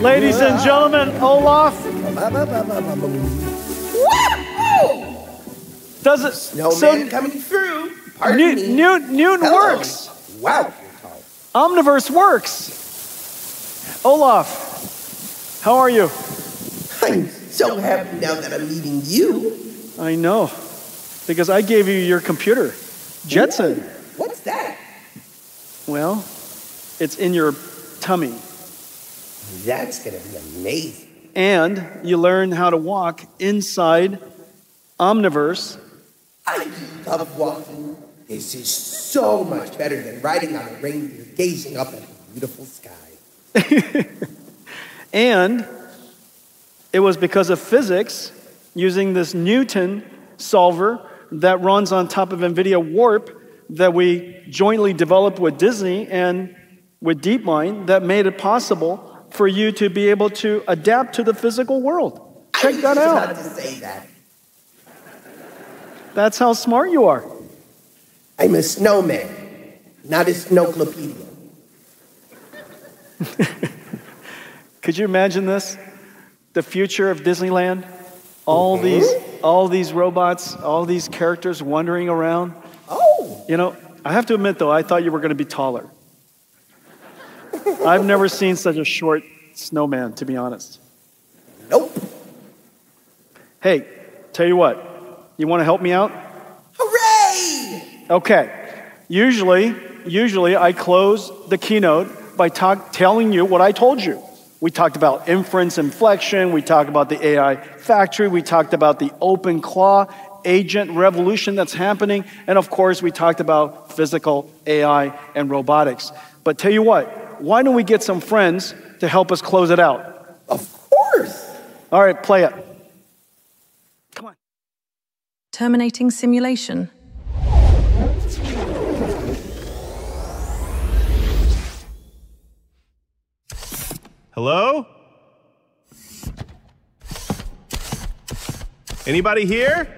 Ladies and gentlemen, Olaf. Ba-ba-ba-ba-ba-boo. Woo-hoo. Does it-- So- Snowman coming through. Pardon me. Newton works. Hello. Wow. Omniverse works. Olaf, how are you? I'm so happy now that I'm leaving you. I know, because I gave you your computer, Jensen. What? What's that? Well, it's in your tummy. That's gonna be amazing. You learn how to walk inside Omniverse. I love walking. This is so much better than riding on a reindeer gazing up at a beautiful sky. It was because of physics using this Newton solver that runs on top of NVIDIA Warp that we jointly developed with Disney and with DeepMind that made it possible for you to be able to adapt to the physical world. Check that out. I knew not to say that. That's how smart you are. I'm a snowman, not a snowclopedia. Could you imagine this, the future of Disneyland? Mm-hmm. All these robots, all these characters wandering around. Oh. You know, I have to admit, though, I thought you were gonna be taller. I've never seen such a short snowman, to be honest. Nope. Hey, tell you what. You wanna help me out? Hooray. Okay. Usually, I close the keynote by telling you what I told you. We talked about inference inflection. We talked about the AI factory. We talked about the OpenClaw agent revolution that's happening. Of course, we talked about physical AI and robotics. Tell you what, why don't we get some friends to help us close it out? Of course. All right, play it. Come on. Terminating simulation. Hello? Anybody here?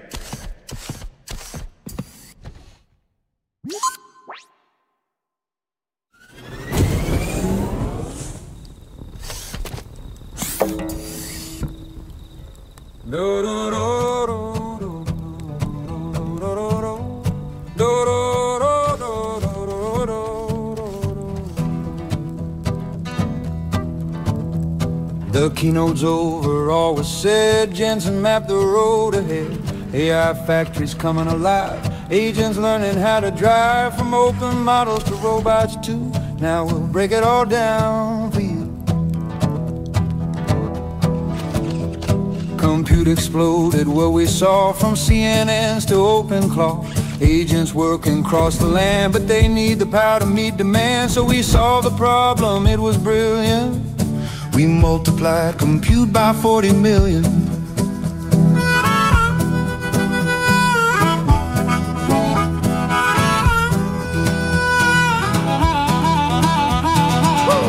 The keynote's over, all was said. Jensen mapped the road ahead. AI factory's coming alive. Agents learning how to drive. From open models to robots too. Now we'll break it all down for you. Compute exploded what we saw. From CNNs to OpenClaw. Agents working cross the land. But they need the power to meet demand. So we solved the problem, it was brilliant. We multiplied compute by 40 million.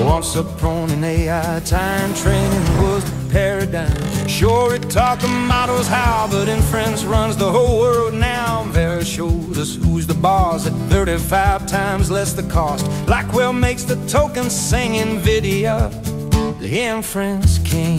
Once upon an AI time. Training was the paradigm. Sure, it taught the models how. But inference runs the whole world now. Vera shows us who's the boss. At 35 times less the cost. Blackwell makes the tokens sing. NVIDIA, the inference king.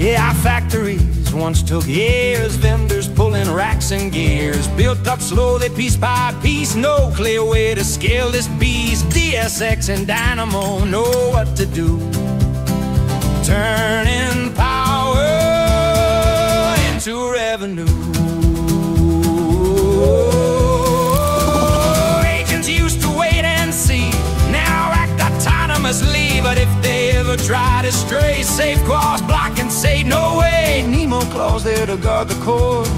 AI factories once took years. Vendors pulling racks and gears. Built up slowly piece by piece. No clear way to scale this beast. DSX and Dynamo know what to do. Turning power into revenue. Agents used to wait and see. Now act autonomously. If they ever try to stray. Safe claws block and say, "No way." NemoClaw there to guard the course.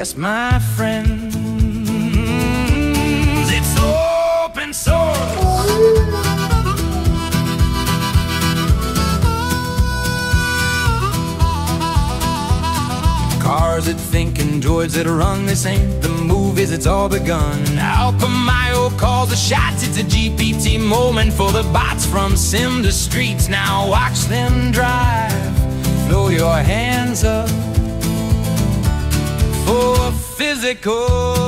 Yes, my friend, it's open source. Cars that think and droids that run. This ain't the movies, it's all begun. Alpamayo calls the shots. It's a GPT moment for the bots. From sim to streets, now watch them drive. Throw your hands up for physical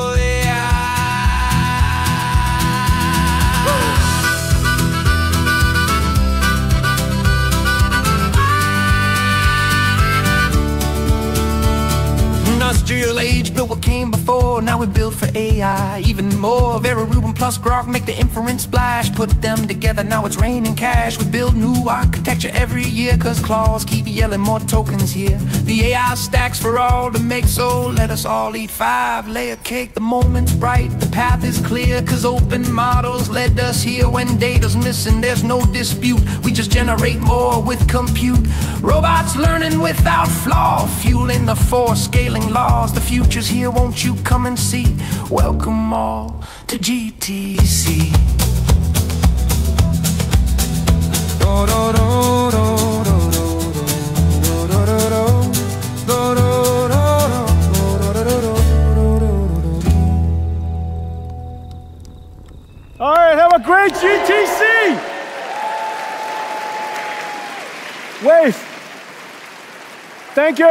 AI. Industrial age built what came before. Now we build for AI even more. Vera Rubin plus Groq make the inference splash. Put them together, now it's raining cash. We build new architecture every year. 'Cause claws keep yelling, "More tokens here." The AI stack's for all to make. Let us all eat five-layer cake. The moment's bright, the path is clear. 'Cause open models led us here. When data's missing, there's no dispute. We just generate more with compute. Robots learning without flaw. Fueling the four scaling laws. The future's here, won't you come and see? Welcome, all, to GTC. All right, have a great GTC. Wave. Thank you.